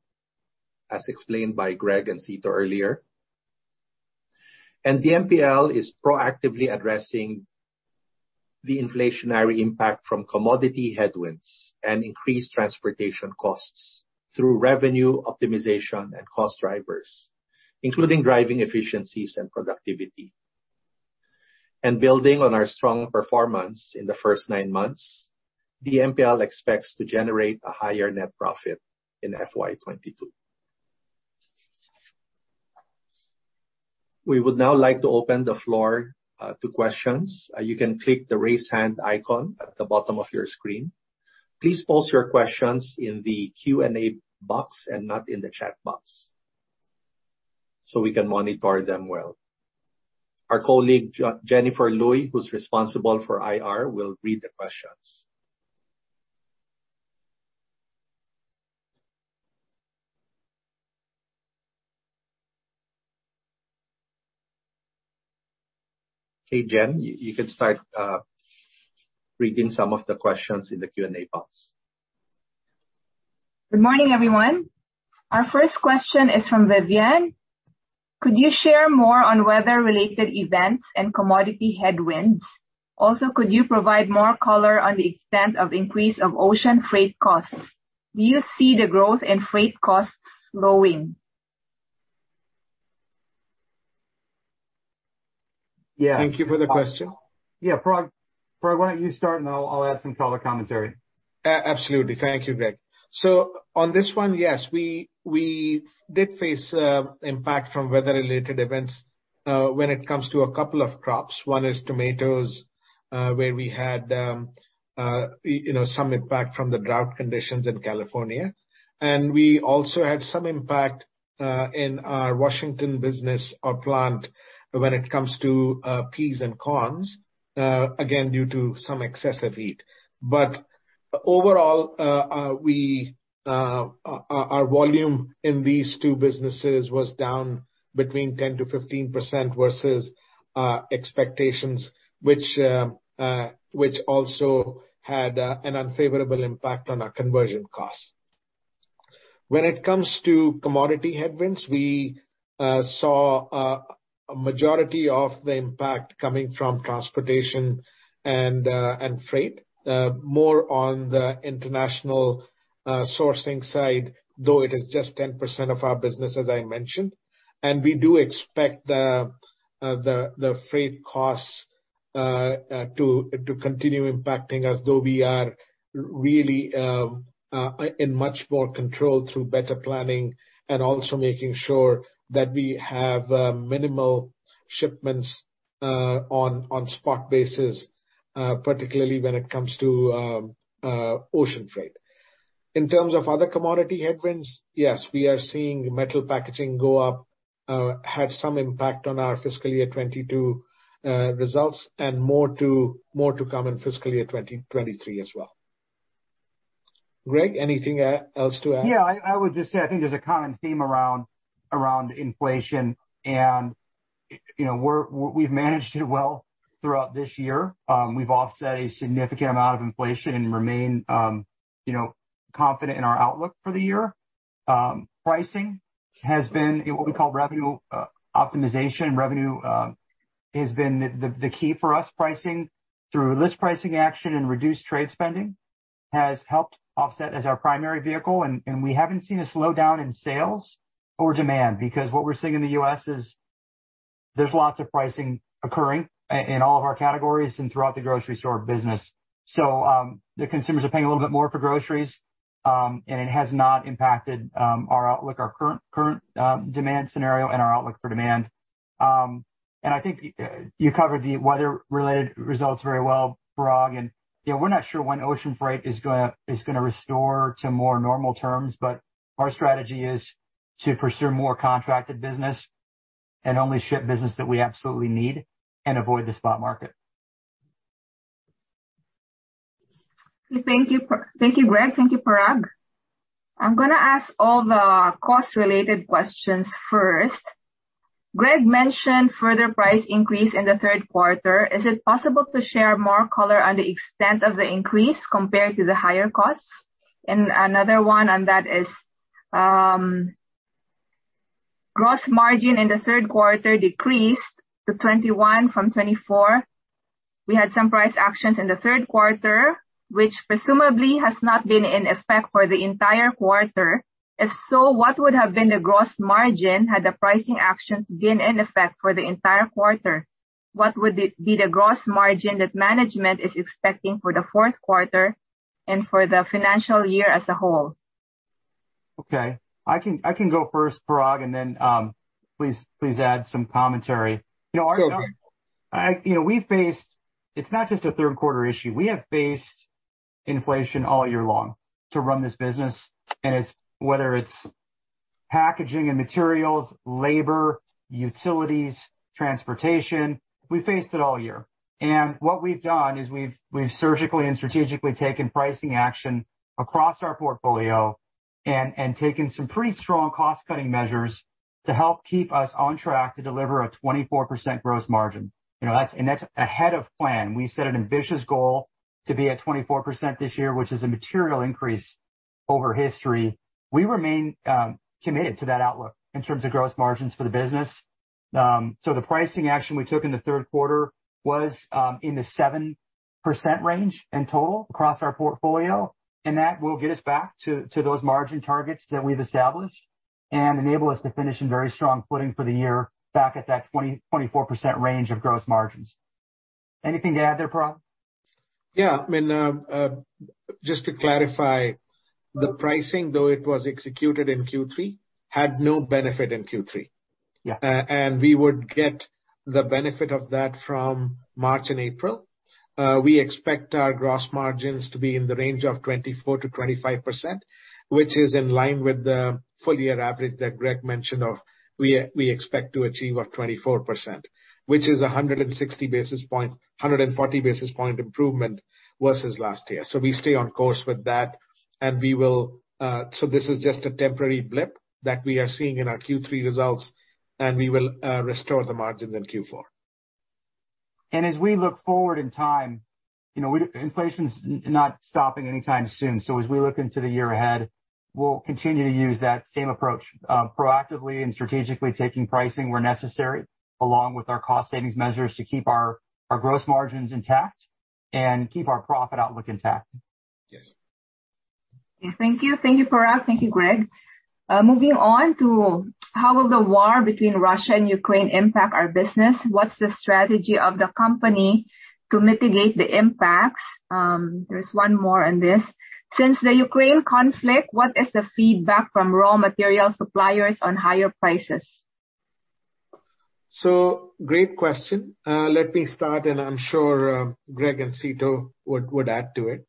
as explained by Greg and Cito earlier. DMPL is proactively addressing the inflationary impact from commodity headwinds and increased transportation costs. Through revenue optimization and cost drivers, including driving efficiencies and productivity. Building on our strong performance in the first 9 months, DMPL expects to generate a higher net profit in FY 2022. We would now like to open the floor to questions. You can click the Raise Hand icon at the bottom of your screen. Please post your questions in the Q&A box and not in the chat box so we can monitor them well. Our colleague Jennifer Luy, who's responsible for IR, will read the questions. Okay, Jen, you can start reading some of the questions in the Q&A box. Good morning, everyone. Our first question is from Viviane. Could you share more on weather-related events and commodity headwinds? Also, could you provide more color on the extent of increase of ocean freight costs? Do you see the growth in freight costs slowing? Yeah. Thank you for the question. Yeah. Parag, why don't you start and I'll add some color commentary. Absolutely. Thank you, Greg. On this one, yes, we did face impact from weather-related events when it comes to a couple of crops. One is tomatoes, where we had, you know, some impact from the drought conditions in California. We also had some impact in our Washington business or plant when it comes to peas and corn, again, due to some excessive heat. Overall, our volume in these two businesses was down between 10%-15% versus expectations, which also had an unfavorable impact on our conversion costs. When it comes to commodity headwinds, we saw a majority of the impact coming from transportation and freight, more on the international sourcing side, though it is just 10% of our business, as I mentioned. We do expect the freight costs to continue impacting us, though we are really in much more control through better planning and also making sure that we have minimal shipments on spot basis, particularly when it comes to ocean freight. In terms of other commodity headwinds, yes, we are seeing metal packaging go up, have some impact on our FY 2022 results and more to come in FY 2023 as well. Greg, anything else to add? Yeah. I would just say, I think there's a common theme around inflation and, you know, we've managed it well throughout this year. We've offset a significant amount of inflation and remain, you know, confident in our outlook for the year. Pricing has been what we call revenue optimization. Revenue has been the key for us. Pricing through list pricing action and reduced trade spending has helped offset, as our primary vehicle and we haven't seen a slowdown in sales or demand because what we're seeing in the U.S. is there's lots of pricing occurring in all of our categories and throughout the grocery store business. The consumers are paying a little bit more for groceries and it has not impacted our outlook, our current demand scenario and our outlook for demand. I think you covered the weather-related results very well, Parag. You know, we're not sure when ocean freight is gonna restore to more normal terms, but our strategy is to pursue more contracted business and only ship business that we absolutely need and avoid the spot market. Thank you. Thank you, Greg. Thank you, Parag. I'm gonna ask all the cost-related questions first. Greg mentioned further price increase in the third quarter. Is it possible to share more color on the extent of the increase compared to the higher costs? Another one on that is, gross margin in the third quarter decreased to 21% from 24%. We had some price actions in the third quarter, which presumably has not been in effect for the entire quarter. If so, what would have been the gross margin had the pricing actions been in effect for the entire quarter? What would it be the gross margin that management is expecting for the fourth quarter and for the financial year as a whole? Okay. I can go first, Parag, and then please add some commentary. You know, our- Sure. It's not just a third quarter issue. We have faced inflation all year long to run this business, and it's whether it's packaging and materials, labor, utilities, transportation, we faced it all year. What we've done is we've surgically and strategically taken pricing action across our portfolio and taken some pretty strong cost-cutting measures to help keep us on track to deliver a 24% gross margin. That's ahead of plan. We set an ambitious goal to be at 24% this year, which is a material increase over history. We remain committed to that outlook in terms of gross margins for the business. The pricing action we took in the third quarter was in the 7% range in total across our portfolio, and that will get us back to those margin targets that we've established and enable us to finish in very strong footing for the year back at that 24% range of gross margins. Anything to add there, Parag? Yeah. I mean, just to clarify, the pricing, though it was executed in Q3, had no benefit in Q3. Yeah. We would get the benefit of that from March and April. We expect our gross margins to be in the range of 24%-25%, which is in line with the full year average that Greg mentioned of, we expect to achieve of 24%, which is a 140 basis point improvement versus last year. We stay on course with that and we will. This is just a temporary blip that we are seeing in our Q3 results, and we will restore the margins in Q4. As we look forward in time, you know, inflation's not stopping anytime soon, so as we look into the year ahead, we'll continue to use that same approach, proactively and strategically taking pricing where necessary, along with our cost savings measures to keep our gross margins intact and keep our profit outlook intact. Yes. Okay. Thank you. Thank you, Parag. Thank you, Greg. Moving on to how will the war between Russia and Ukraine impact our business? What's the strategy of the company to mitigate the impacts? There's one more on this. Since the Ukraine conflict, what is the feedback from raw material suppliers on higher prices? Great question. Let me start, and I'm sure Greg and Cito would add to it.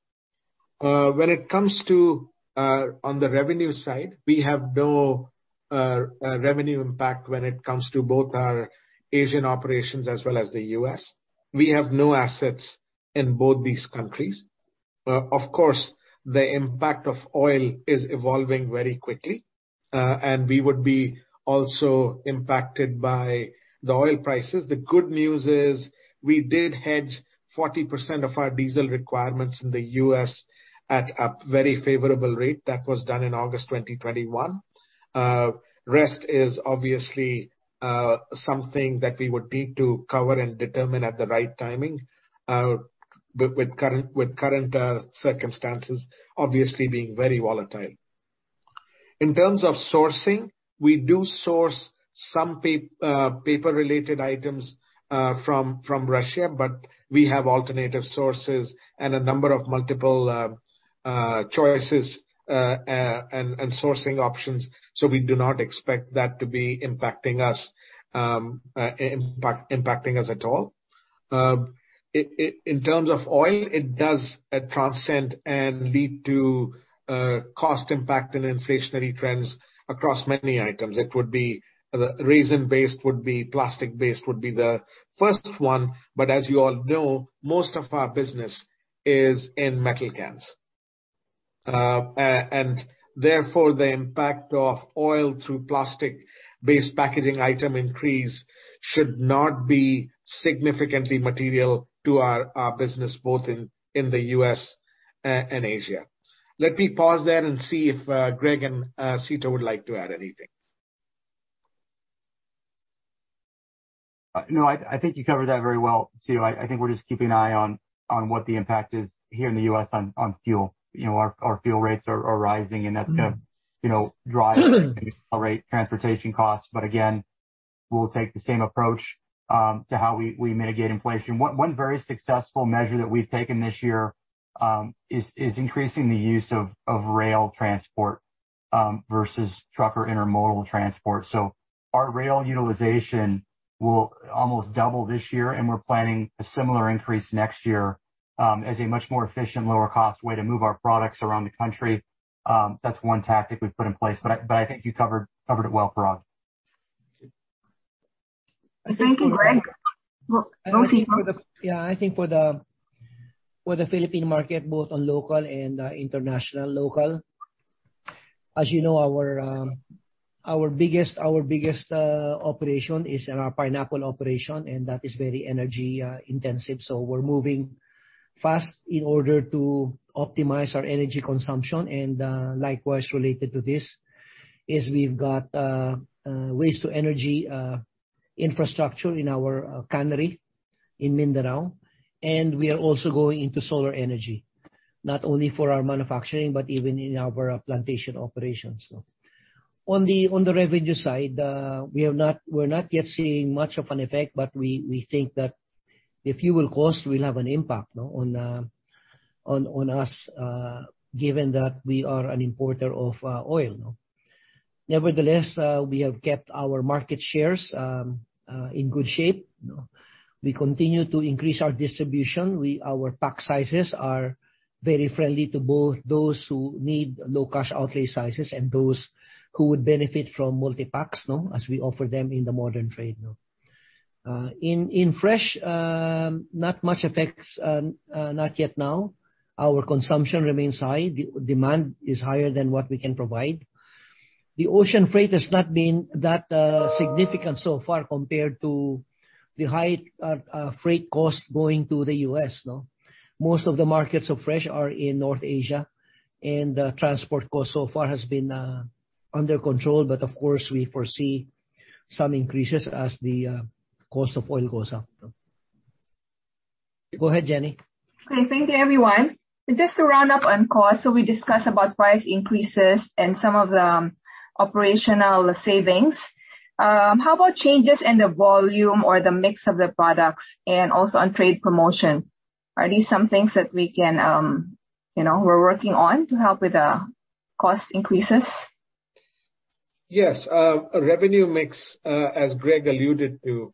When it comes to on the revenue side, we have no revenue impact when it comes to both our Asian operations as well as the U.S. We have no assets in both these countries. Of course, the impact of oil is evolving very quickly, and we would be also impacted by the oil prices. The good news is we did hedge 40% of our diesel requirements in the U.S. at a very favorable rate. That was done in August 2021. Rest is obviously something that we would need to cover and determine at the right timing, with current circumstances obviously being very volatile. In terms of sourcing, we do source some paper-related items from Russia, but we have alternative sources and a number of multiple choices and sourcing options, so we do not expect that to be impacting us at all. In terms of oil, it does transcend and lead to cost impact and inflationary trends across many items. It would be resin-based, plastic-based, the first one, but as you all know, most of our business is in metal cans. And therefore, the impact of oil through plastic-based packaging item increase should not be significantly material to our business, both in the U.S. and Asia. Let me pause there and see if Greg and Cito would like to add anything. No, I think you covered that very well. I think we're just keeping an eye on what the impact is here in the U.S. on fuel. You know, our fuel rates are rising and that's gonna, you know, drive and accelerate transportation costs. Again, we'll take the same approach to how we mitigate inflation. One very successful measure that we've taken this year is increasing the use of rail transport versus truck or intermodal transport. Our rail utilization will almost double this year, and we're planning a similar increase next year as a much more efficient, lower cost way to move our products around the country. That's one tactic we've put in place, but I think you covered it well, Parag. Thank you. Thank you, Greg. Go, Cito. Yeah. I think for the Philippine market, both on local and international local, as you know, our biggest operation is in our pineapple operation, and that is very energy intensive. So we're moving fast in order to optimize our energy consumption. Likewise related to this is we've got waste to energy infrastructure in our cannery in Mindanao, and we are also going into solar energy, not only for our manufacturing, but even in our plantation operations. On the revenue side, we are not yet seeing much of an effect, but we think that the fuel cost will have an impact on us, given that we are an importer of oil. Nevertheless, we have kept our market shares in good shape, no. We continue to increase our distribution. Our pack sizes are very friendly to both those who need low cash outlay sizes and those who would benefit from multi-packs, no, as we offer them in the modern trade, no. In Fresh, not much effects, not yet now. Our consumption remains high. Demand is higher than what we can provide. The ocean freight has not been that significant so far compared to the high freight costs going to the U.S., no. Most of the markets of Fresh are in North Asia, and transport costs so far has been. Under control, but of course, we foresee some increases as the cost of oil goes up. Go ahead, Jenny. Okay. Thank you, everyone. Just to round up on cost, so we discussed about price increases and some of the operational savings. How about changes in the volume or the mix of the products and also on trade promotion? Are these some things that we can, you know, we're working on to help with the cost increases? Yes. Revenue mix, as Greg alluded to,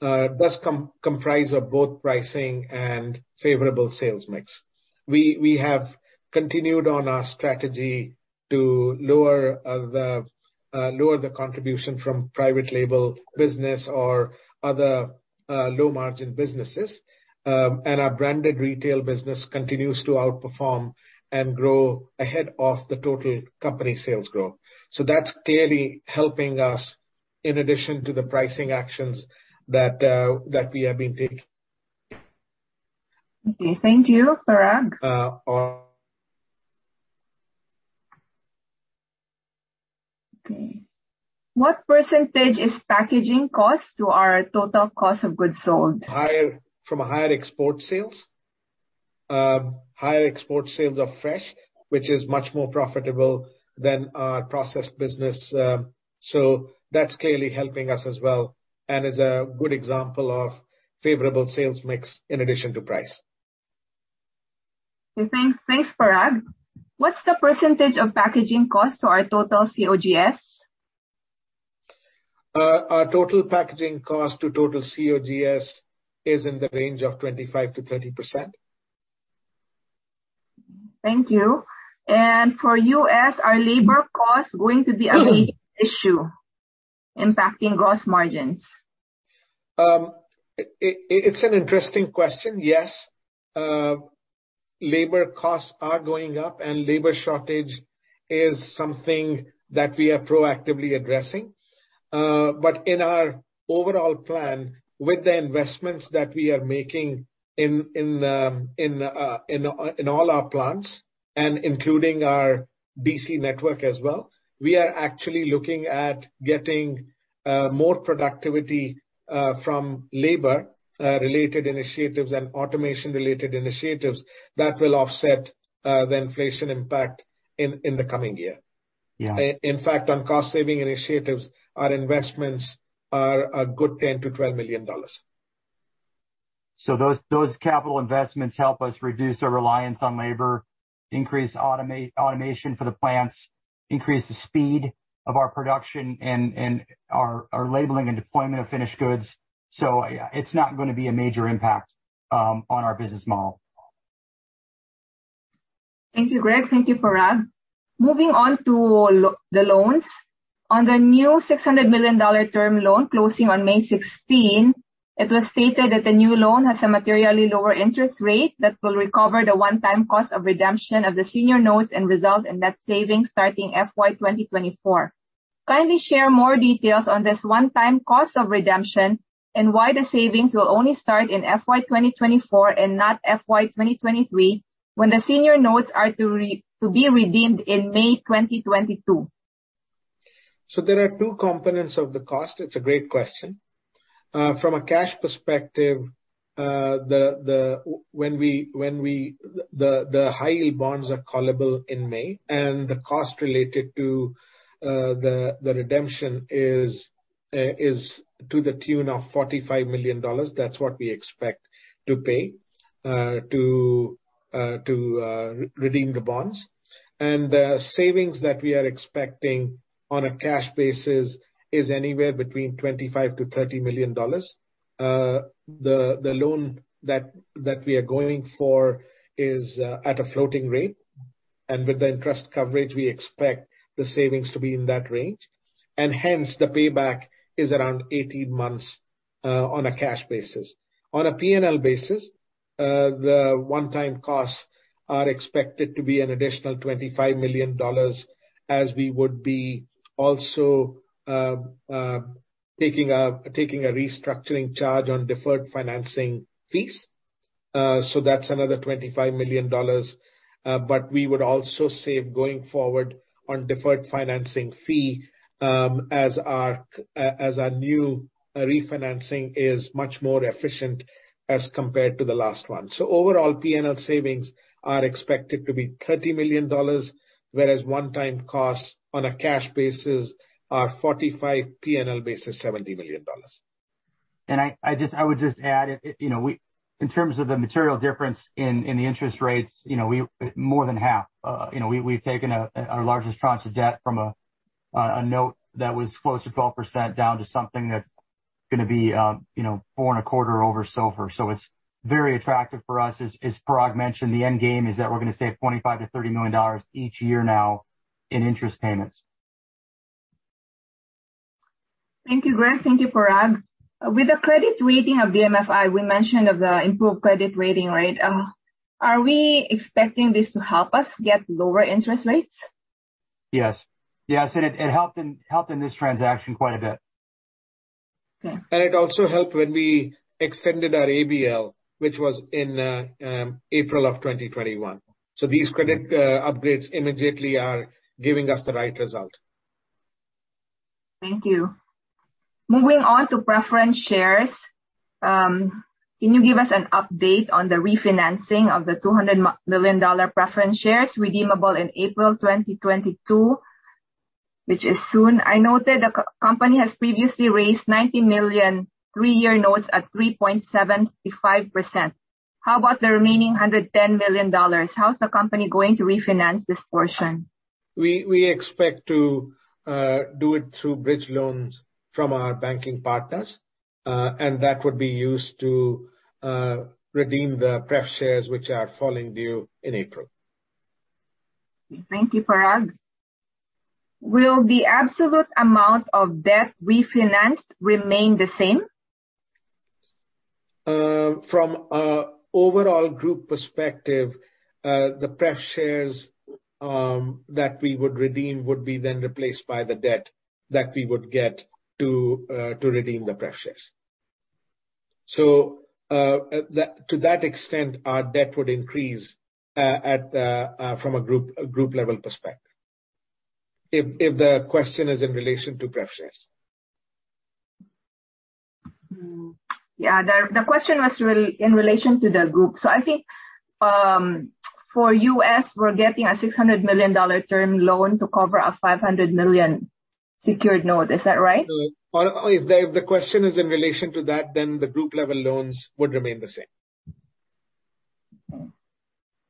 does comprise of both pricing and favorable sales mix. We have continued on our strategy to lower the contribution from private label business or other low margin businesses. Our branded retail business continues to outperform and grow ahead of the total company sales growth. That's clearly helping us in addition to the pricing actions that we have been taking. Okay. Thank you, Parag. Uh, or- Okay. What percentage is packaging cost to our total cost of goods sold? From higher export sales of Fresh, which is much more profitable than our processed business. That's clearly helping us as well and is a good example of favorable sales mix in addition to price. Okay, thanks, Parag. What's the percentage of packaging cost to our total COGS? Our total packaging cost to total COGS is in the range of 25%-30%. Thank you. For U.S., are labor costs going to be a big issue impacting gross margins? It's an interesting question. Yes, labor costs are going up, and labor shortage is something that we are proactively addressing. In our overall plan, with the investments that we are making in all our plants and including our DC network as well, we are actually looking at getting more productivity from labor related initiatives and automation related initiatives that will offset the inflation impact in the coming year. Yeah. In fact, on cost saving initiatives, our investments are a good $10 million-$12 million. Those capital investments help us reduce our reliance on labor, increase automation for the plants, increase the speed of our production and our labeling and deployment of finished goods. It's not gonna be a major impact on our business model. Thank you, Greg. Thank you, Parag. Moving on to the loans. On the new $600 million term loan closing on May 16, it was stated that the new loan has a materially lower interest rate that will recover the one-time cost of redemption of the senior notes and result in net savings starting FY 2024. Kindly share more details on this one-time cost of redemption and why the savings will only start in FY 2024 and not FY 2023 when the senior notes are to be redeemed in May 2022. There are two components of the cost. It's a great question. From a cash perspective, the high yield bonds are callable in May, and the cost related to the redemption is to the tune of $45 million. That's what we expect to pay to redeem the bonds. The savings that we are expecting on a cash basis is anywhere between $25 million-$30 million. The loan that we are going for is at a floating rate. With the interest coverage, we expect the savings to be in that range. Hence, the payback is around 18 months on a cash basis. On a P&L basis, the one-time costs are expected to be an additional $25 million as we would be also taking a restructuring charge on deferred financing fees. That's another $25 million, but we would also save going forward on deferred financing fee as our new refinancing is much more efficient as compared to the last one. Overall, P&L savings are expected to be $30 million, whereas one-time costs on a cash basis are $45 million, P&L basis, $70 million. I would just add, you know, in terms of the material difference in the interest rates, you know, we've more than half. You know, we've taken a largest tranche of debt from a note that was close to 12% down to something that's gonna be 4.25 over SOFR. So it's very attractive for us. As Parag mentioned, the end game is that we're gonna save $25 million-$30 million each year now in interest payments. Thank you, Greg. Thank you, Parag. With the credit rating of DMFI, we mentioned the improved credit rating, right? Are we expecting this to help us get lower interest rates? Yes. It helped in this transaction quite a bit. It also helped when we extended our ABL, which was in April 2021. These credit upgrades immediately are giving us the right result. Thank you. Moving on to preference shares, can you give us an update on the refinancing of the $200 million preference shares redeemable in April 2022, which is soon. I noted the company has previously raised $90 million 3-year notes at 3.75%. How about the remaining $110 million? How's the company going to refinance this portion? We expect to do it through bridge loans from our banking partners, and that would be used to redeem the pref shares which are falling due in April. Thank you, Parag. Will the absolute amount of debt refinanced remain the same? From an overall group perspective, the pref shares that we would redeem would be then replaced by the debt that we would get to redeem the pref shares. To that extent, our debt would increase from a group level perspective. If the question is in relation to pref shares. Yeah. The question was in relation to the group. I think for U.S., we're getting a $600 million term loan to cover a $500 million secured note. Is that right? Well, if the question is in relation to that, then the group level loans would remain the same. Mm.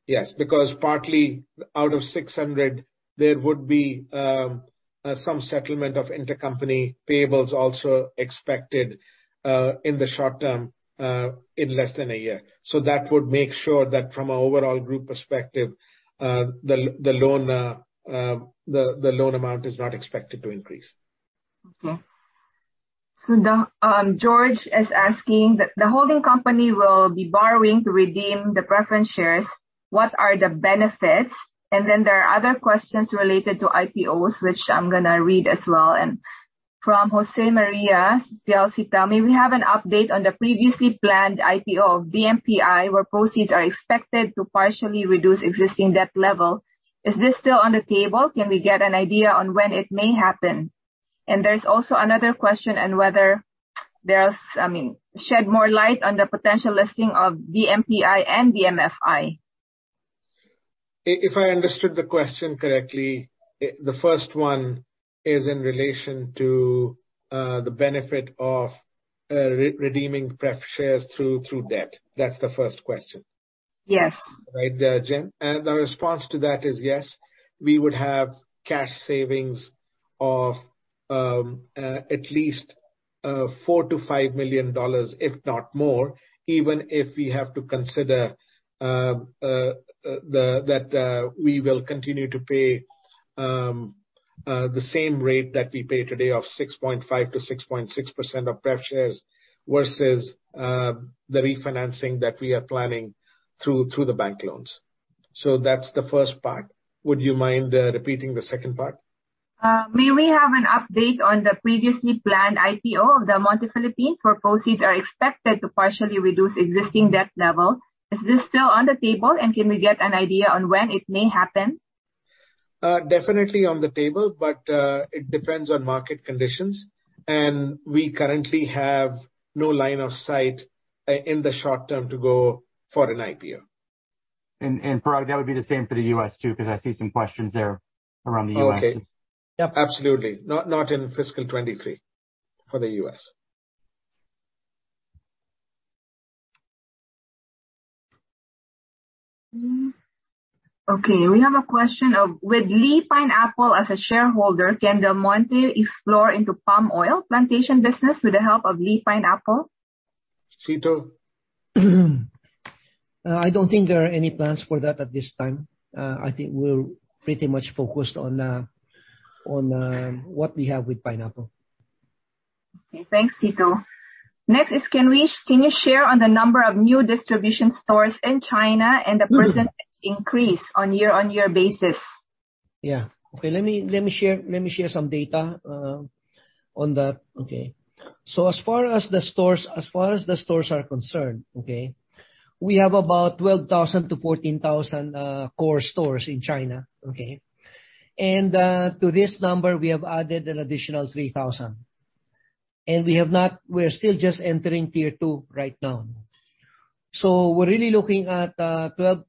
Yes, because partly out of $600 there would be some settlement of intercompany payables also expected in the short term, in less than a year. That would make sure that from an overall group perspective, the loan amount is not expected to increase. Okay. George is asking, "The holding company will be borrowing to redeem the preference shares. What are the benefits?" There are other questions related to IPOs, which I'm gonna read as well. From Jose Maria Zialcita, "May we have an update on the previously planned IPO of DMPI, where proceeds are expected to partially reduce existing debt level. Is this still on the table? Can we get an idea on when it may happen?" There's also another question on whether there's I mean shed more light on the potential listing of DMPI and DMFI. If I understood the question correctly, the first one is in relation to the benefit of redeeming pref shares through debt. That's the first question. Yes. Right, Jen? The response to that is, yes, we would have cash savings of at least $4 million-$5 million, if not more, even if we have to consider that we will continue to pay the same rate that we pay today of 6.5%-6.6% of pref shares versus the refinancing that we are planning through the bank loans. That's the first part. Would you mind repeating the second part? May we have an update on the previously planned IPO of Del Monte Philippines, where proceeds are expected to partially reduce existing debt level. Is this still on the table, and can we get an idea on when it may happen? Definitely on the table. It depends on market conditions. We currently have no line of sight in the short term to go for an IPO. Parag, that would be the same for the U.S. too, 'cause I see some questions there around the U.S. Okay. Yep. Absolutely. Not in fiscal 2023 for the U.S. Okay. We have a question of, with Lee Pineapple as a shareholder, can Del Monte explore into palm oil plantation business with the help of Lee Pineapple? Cito? I don't think there are any plans for that at this time. I think we're pretty much focused on what we have with pineapple. Okay. Thanks, Cito. Next, can you share on the number of new distribution stores in China and the percentage increase on year-over-year basis? Let me share some data on that. Okay. As far as the stores are concerned, we have about 12,000-14,000 core stores in China. To this number we have added an additional 3,000. We're still just entering Tier 2 right now.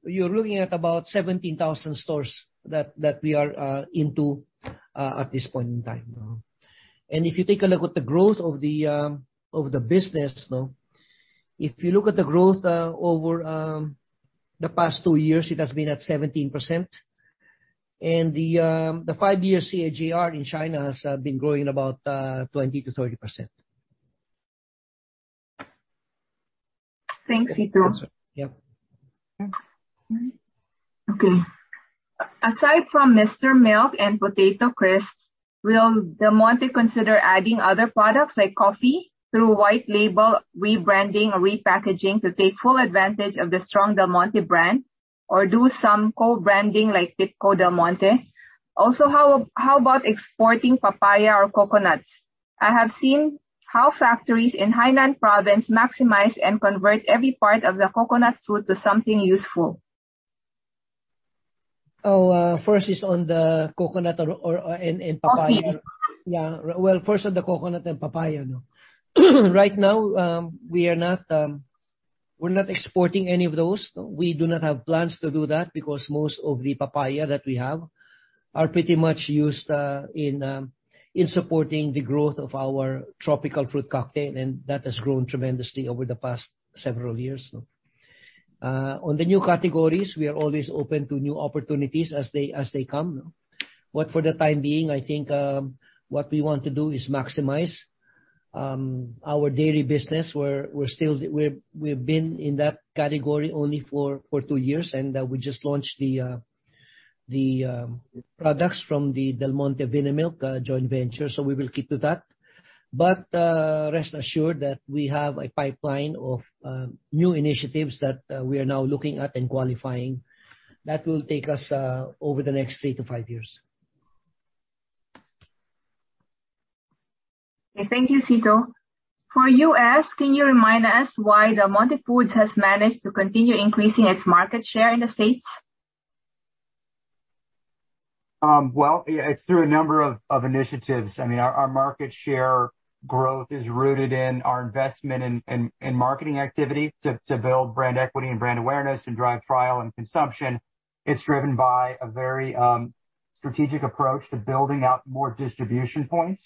You're looking at about 17,000 stores that we are into at this point in time. If you take a look at the growth of the business, over the past two years, it has been at 17%. The 5-year CAGR in China has been growing about 20%-30%. Thanks, Cito. Yep. Okay. Aside from Mr. Milk and Potato Crisps, will Del Monte consider adding other products like coffee through white label rebranding or repackaging to take full advantage of the strong Del Monte brand? Or do some co-branding like Tipco Del Monte? Also, how about exporting papaya or coconuts? I have seen how factories in Hainan Province maximize and convert every part of the coconut fruit to something useful. First is on the coconut or and papaya. Both Yeah. Well, first on the coconut and papaya. Right now, we are not, we're not exporting any of those. We do not have plans to do that because most of the papaya that we have are pretty much used in supporting the growth of our tropical fruit cocktail, and that has grown tremendously over the past several years. On the new categories, we are always open to new opportunities as they come. For the time being, I think what we want to do is maximize our dairy business. We're still. We've been in that category only for 2 years, and we just launched the products from the Del Monte-Vinamilk joint venture, so we will keep to that. Rest assured that we have a pipeline of new initiatives that we are now looking at and qualifying that will take us over the next 3years-5 years. Okay, thank you, Cito. For U.S., can you remind us why Del Monte Foods has managed to continue increasing its market share in the States? Well, it's through a number of initiatives. I mean, our market share growth is rooted in our investment in marketing activity to build brand equity and brand awareness and drive trial and consumption. It's driven by a very strategic approach to building out more distribution points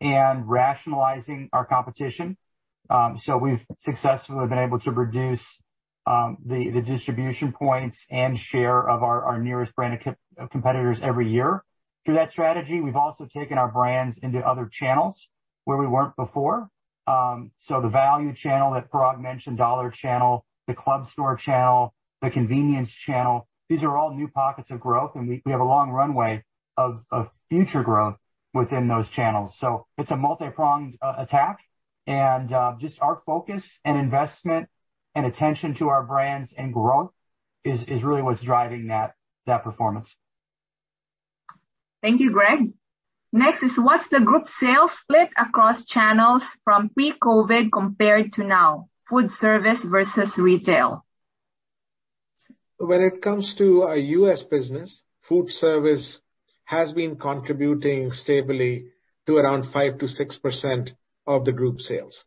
and rationalizing our competition. We've successfully been able to reduce the distribution points and share of our nearest brand of competitors every year. Through that strategy, we've also taken our brands into other channels where we weren't before. The value channel that Parag mentioned, dollar channel, the club store channel, the convenience channel, these are all new pockets of growth, and we have a long runway of future growth within those channels. It's a multi-pronged attack and just our focus and investment and attention to our brands and growth is really what's driving that performance. Thank you, Greg. Next is what's the group sales split across channels from pre-COVID compared to now, food service versus retail? When it comes to our U.S. business, food service has been contributing stably to around 5%-6% of the group sales.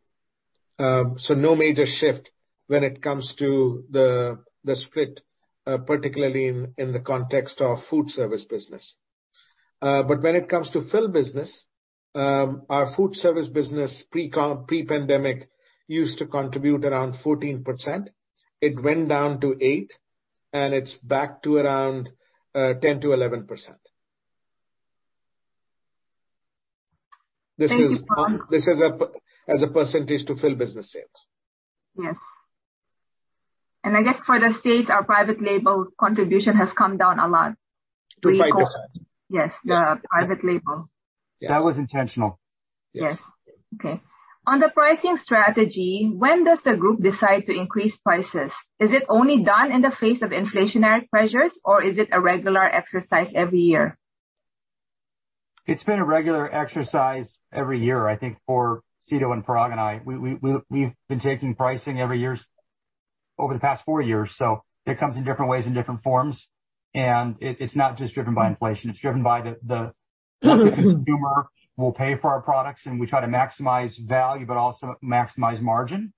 No major shift when it comes to the split, particularly in the context of food service business. When it comes to Phil. business, our food service business pre-pandemic used to contribute around 14%. It went down to 8%, and it's back to around 10%-11%. Thank you, Parag. This is as a percentage to Phil. business sales. Yes. I guess for the States, our private label contribution has come down a lot pre-COVID. To 5%. Yes. Yeah. The private label. Yes. That was intentional. Yes. Yes. Okay. On the pricing strategy, when does the group decide to increase prices? Is it only done in the face of inflationary pressures, or is it a regular exercise every year? It's been a regular exercise every year, I think, for Cito and Parag and I. We've been taking pricing every year over the past 4 years, so it comes in different ways, in different forms. It's not just driven by inflation. It's driven by the consumer will pay for our products, and we try to maximize value, but also maximize margin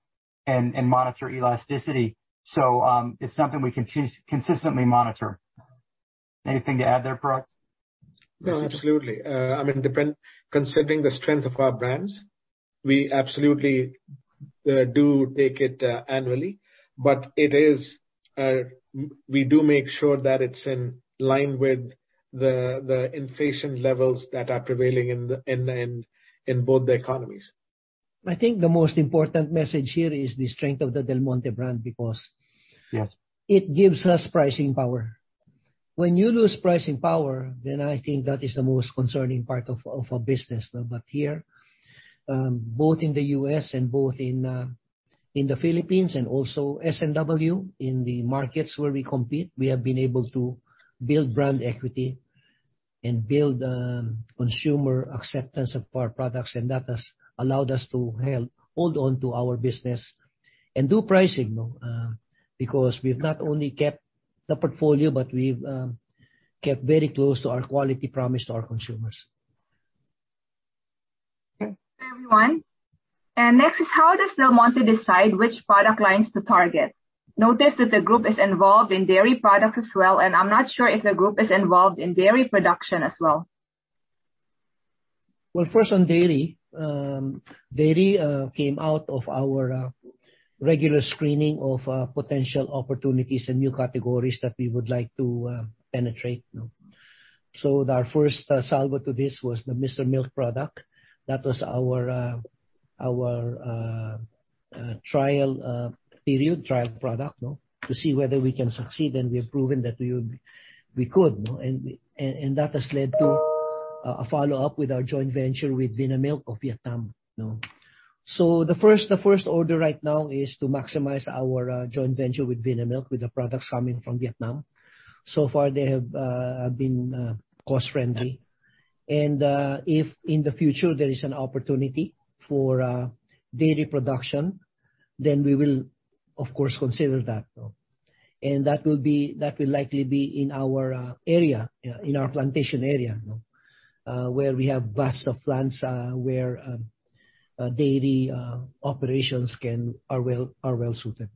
and monitor elasticity. It's something we consistently monitor. Anything to add there, Parag? No, absolutely. I mean, considering the strength of our brands, we absolutely do take it annually. We do make sure that it's in line with the inflation levels that are prevailing in both the economies. I think the most important message here is the strength of the Del Monte brand. Yes It gives us pricing power. When you lose pricing power, then I think that is the most concerning part of a business. Here, both in the U.S. and both in the Philippines and also S&W in the markets where we compete, we have been able to build brand equity and build consumer acceptance of our products. That has allowed us to help hold on to our business and do pricing because we've not only kept the portfolio, but we've kept very close to our quality promise to our consumers. Okay. Everyone, next is how does Del Monte decide which product lines to target? Notice that the group is involved in dairy products as well, and I'm not sure if the group is involved in dairy production as well. Well, first, on dairy came out of our regular screening of potential opportunities and new categories that we would like to penetrate. Our first salvo to this was the Mr. Milk product. That was our trial period, trial product, no? To see whether we can succeed, and we have proven that we could. That has led to A follow-up with our joint venture with Vinamilk of Vietnam. The first order right now is to maximize our joint venture with Vinamilk, with the products coming from Vietnam. So far, they have been cost-friendly. If in the future there is an opportunity for dairy production, then we will, of course, consider that. That will likely be in our area, yeah, in our plantation area, where we have vast lands, where dairy operations are well-suited.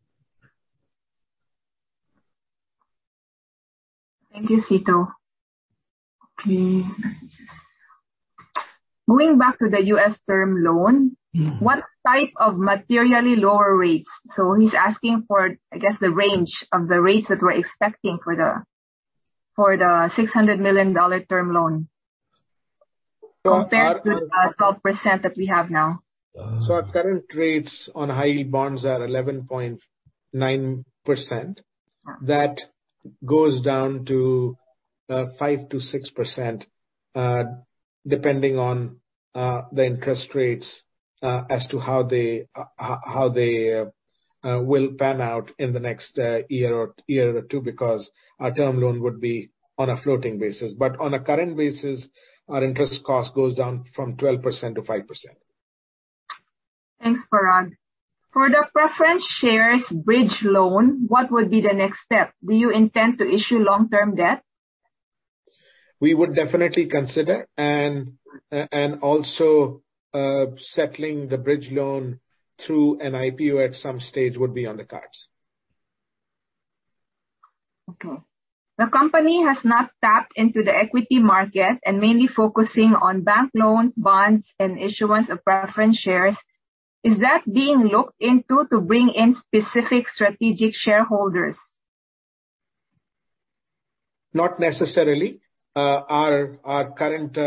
Thank you, Cito. Okay. Going back to the U.S. term loan. Mm-hmm. What type of materially lower rates? He's asking for, I guess, the range of the rates that we're expecting for the $600 million term loan compared to the 12% that we have now. Our current rates on high yield bonds are 11.9%. All right. That goes down to 5%-6%, depending on the interest rates as to how they will pan out in the next year or two, because our term loan would be on a floating basis. On a current basis, our interest cost goes down from 12% to 5%. Thanks, Parag. For the preference shares bridge loan, what would be the next step? Do you intend to issue long-term debt? We would definitely consider and also settling the bridge loan through an IPO at some stage would be on the cards. Okay. The company has not tapped into the equity market and mainly focusing on bank loans, bonds, and issuance of preference shares. Is that being looked into to bring in specific strategic shareholders? Not necessarily. Our current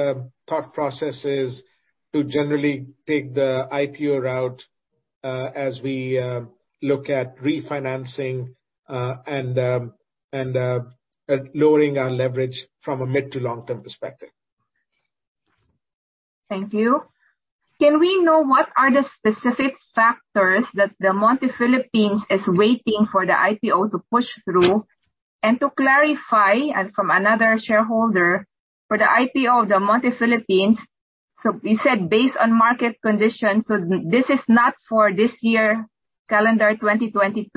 thought process is to generally take the IPO route as we look at refinancing and lowering our leverage from a mid to long-term perspective. Thank you. Can we know what are the specific factors that Del Monte Philippines is waiting for the IPO to push through? To clarify, and from another shareholder, for the IPO of Del Monte Philippines, so you said based on market conditions, so this is not for this year, calendar 2022?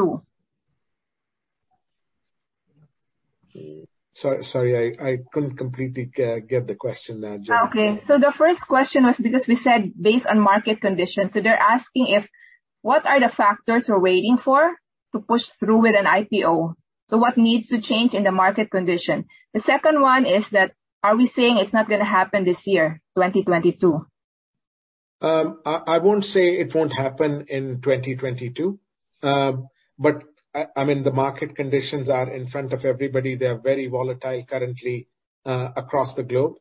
Sorry, I couldn't completely catch the question there, Jen. Okay. The first question was because we said based on market conditions, they're asking if, what are the factors we're waiting for to push through with an IPO? What needs to change in the market condition? The second one is that are we saying it's not gonna happen this year, 2022? I won't say it won't happen in 2022. I mean, the market conditions are in front of everybody. They are very volatile currently across the globe.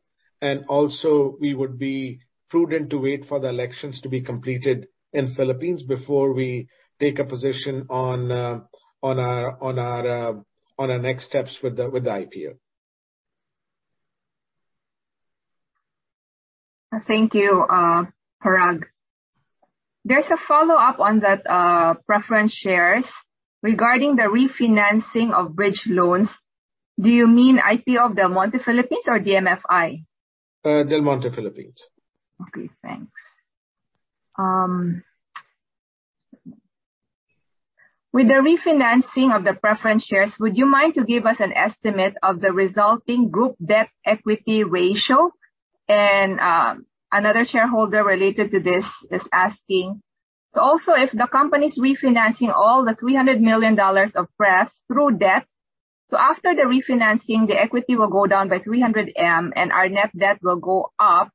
Also, we would be prudent to wait for the elections to be completed in Philippines before we take a position on our next steps with the IPO. Thank you, Parag. There's a follow-up on that, preference shares. Regarding the refinancing of bridge loans, do you mean IPO of Del Monte Philippines or DMFI? Del Monte Philippines. Okay, thanks. With the refinancing of the preference shares, would you mind to give us an estimate of the resulting group debt equity ratio? Another shareholder related to this is asking, so also if the company's refinancing all the $300 million of pref through debt. After the refinancing, the equity will go down by $300 million, and our net debt will go up.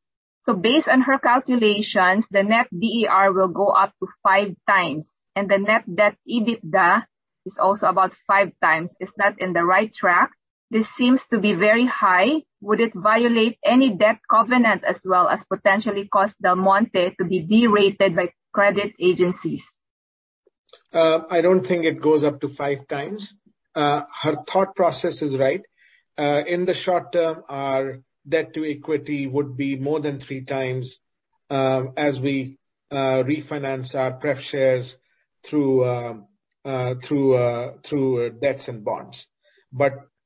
Based on her calculations, the net DER will go up to 5x, and the net debt EBITDA is also about 5x. Is that in the right track? This seems to be very high. Would it violate any debt covenant as well as potentially cause Del Monte to be de-rated by credit agencies? I don't think it goes up to 5x. Her thought process is right. In the short term, our debt to equity would be more than 3x, as we refinance our pref shares through debts and bonds.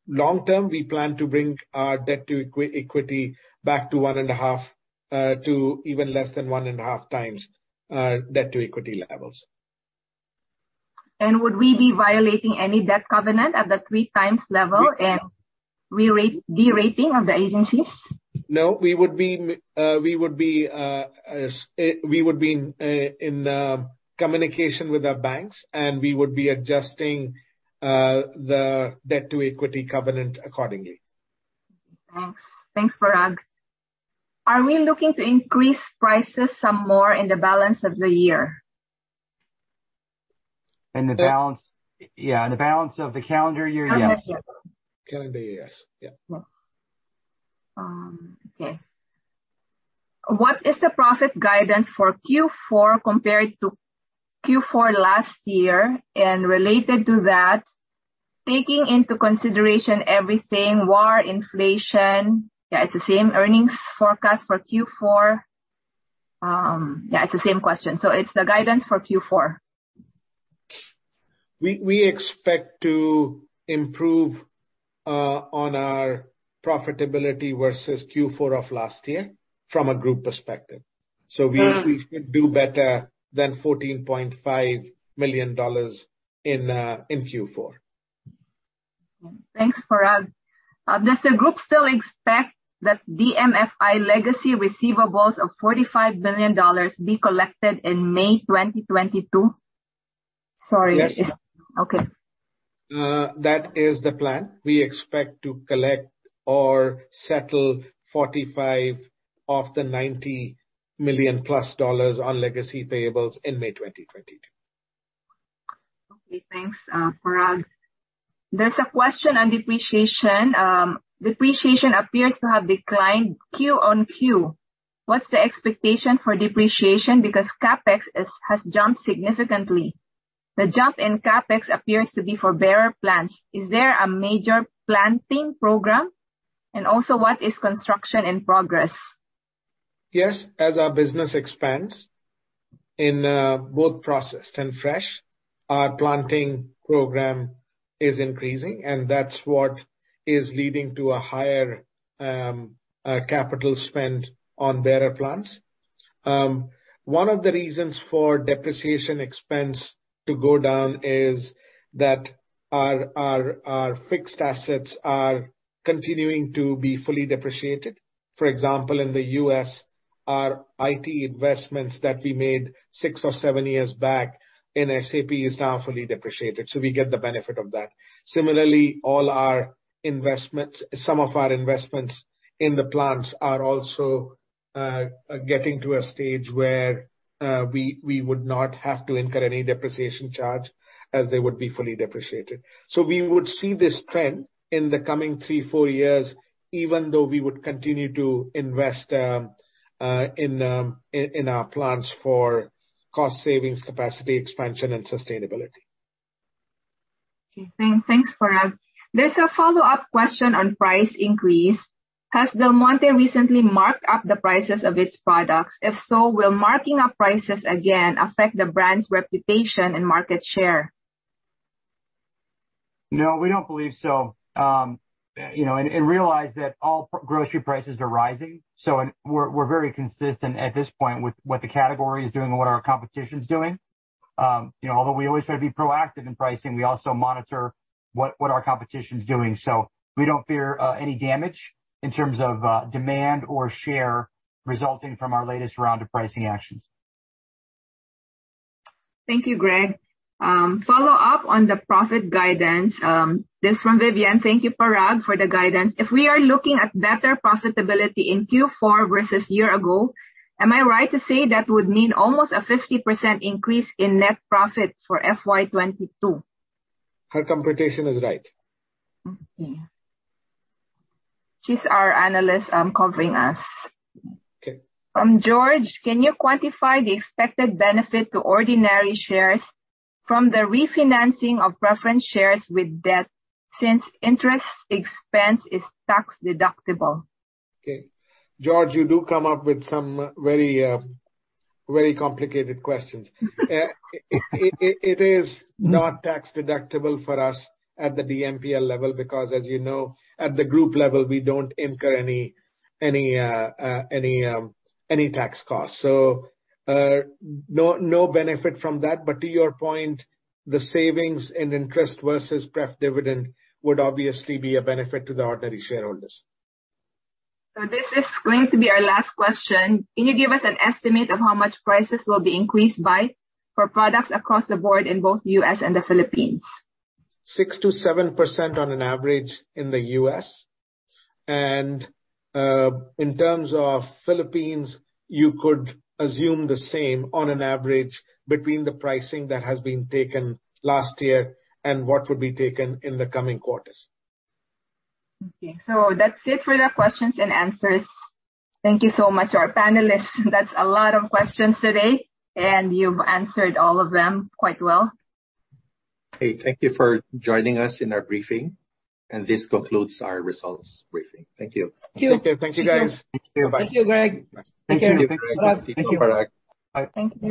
Long term, we plan to bring our debt to equity back to 1.5x, to even less than 1.5x debt to equity levels. Would we be violating any debt covenant at the 3x level and de-rating of the agencies? No, we would be in communication with our banks, and we would be adjusting the debt-to-equity covenant accordingly. Thanks. Thanks, Parag. Are we looking to increase prices some more in the balance of the year? In the balance of the calendar year? Yes. Yeah. Calendar year, yes. Yeah. Okay. What is the profit guidance for Q4 compared to Q4 last year? Related to that, taking into consideration everything, war, inflation, yeah, it's the same earnings forecast for Q4. Yeah, it's the same question, so it's the guidance for Q4. We expect to improve on our profitability versus Q4 of last year from a group perspective. Mm-hmm. We actually should do better than $14.5 million in Q4. Thanks, Parag. Does the group still expect that DMFI legacy receivables of $45 million be collected in May 2022? Sorry. Yes. Okay. That is the plan. We expect to collect or settle $45 million of the $90 million+ on legacy payables in May 2022. Okay. Thanks, Parag. There's a question on depreciation. Depreciation appears to have declined QoQ. What's the expectation for depreciation because CapEx has jumped significantly? The jump in CapEx appears to be for bearer plants. Is there a major planting program? What is construction in progress? Yes. As our business expands in both processed and fresh, our planting program is increasing, and that's what is leading to a higher capital spend on bearer plants. One of the reasons for depreciation expense to go down is that our fixed assets are continuing to be fully depreciated. For example, in the U.S., our IT investments that we made 6 years or 7 years back in SAP is now fully depreciated. So we get the benefit of that. Similarly, some of our investments in the plants are also getting to a stage where we would not have to incur any depreciation charge as they would be fully depreciated. We would see this trend in the coming 3 years-4 years, even though we would continue to invest in our plans for cost savings, capacity expansion and sustainability. Okay. Thanks, Parag. There's a follow-up question on price increase. Has Del Monte recently marked up the prices of its products? If so, will marking up prices again affect the brand's reputation and market share? No, we don't believe so. Realize that all grocery prices are rising, and we're very consistent at this point with what the category is doing and what our competition's doing. Although we always try to be proactive in pricing, we also monitor what our competition's doing. We don't fear any damage in terms of demand or share resulting from our latest round of pricing actions. Thank you, Greg. Follow up on the profit guidance, this is from Vivian. Thank you, Parag, for the guidance. If we are looking at better profitability in Q4 versus year ago, am I right to say that would mean almost a 50% increase in net profit for FY 2022? Her computation is right. Okay. She's our analyst, covering us. Okay. From George, can you quantify the expected benefit to ordinary shares from the refinancing of preference shares with debt since interest expense is tax-deductible? Okay. George, you do come up with some very, very complicated questions. It is not tax-deductible for us at the DMPL level because as you know, at the group level, we don't incur any tax costs. No benefit from that. But to your point, the savings and interest versus pref dividend would obviously be a benefit to the ordinary shareholders. This is going to be our last question. Can you give us an estimate of how much prices will be increased by for products across the board in both U.S. and the Philippines? 6%-7% on an average in the U.S. In terms of Philippines, you could assume the same on an average between the pricing that has been taken last year and what would be taken in the coming quarters. Okay. That's it for the questions and answers. Thank you so much to our panelists. That's a lot of questions today, and you've answered all of them quite well. Okay. Thank you for joining us in our briefing. This concludes our results briefing. Thank you. Thank you. Thank you. Thank you, guys. Thank you. Bye. Thank you, Greg. Take care. Thank you, Parag. Bye. Thank you.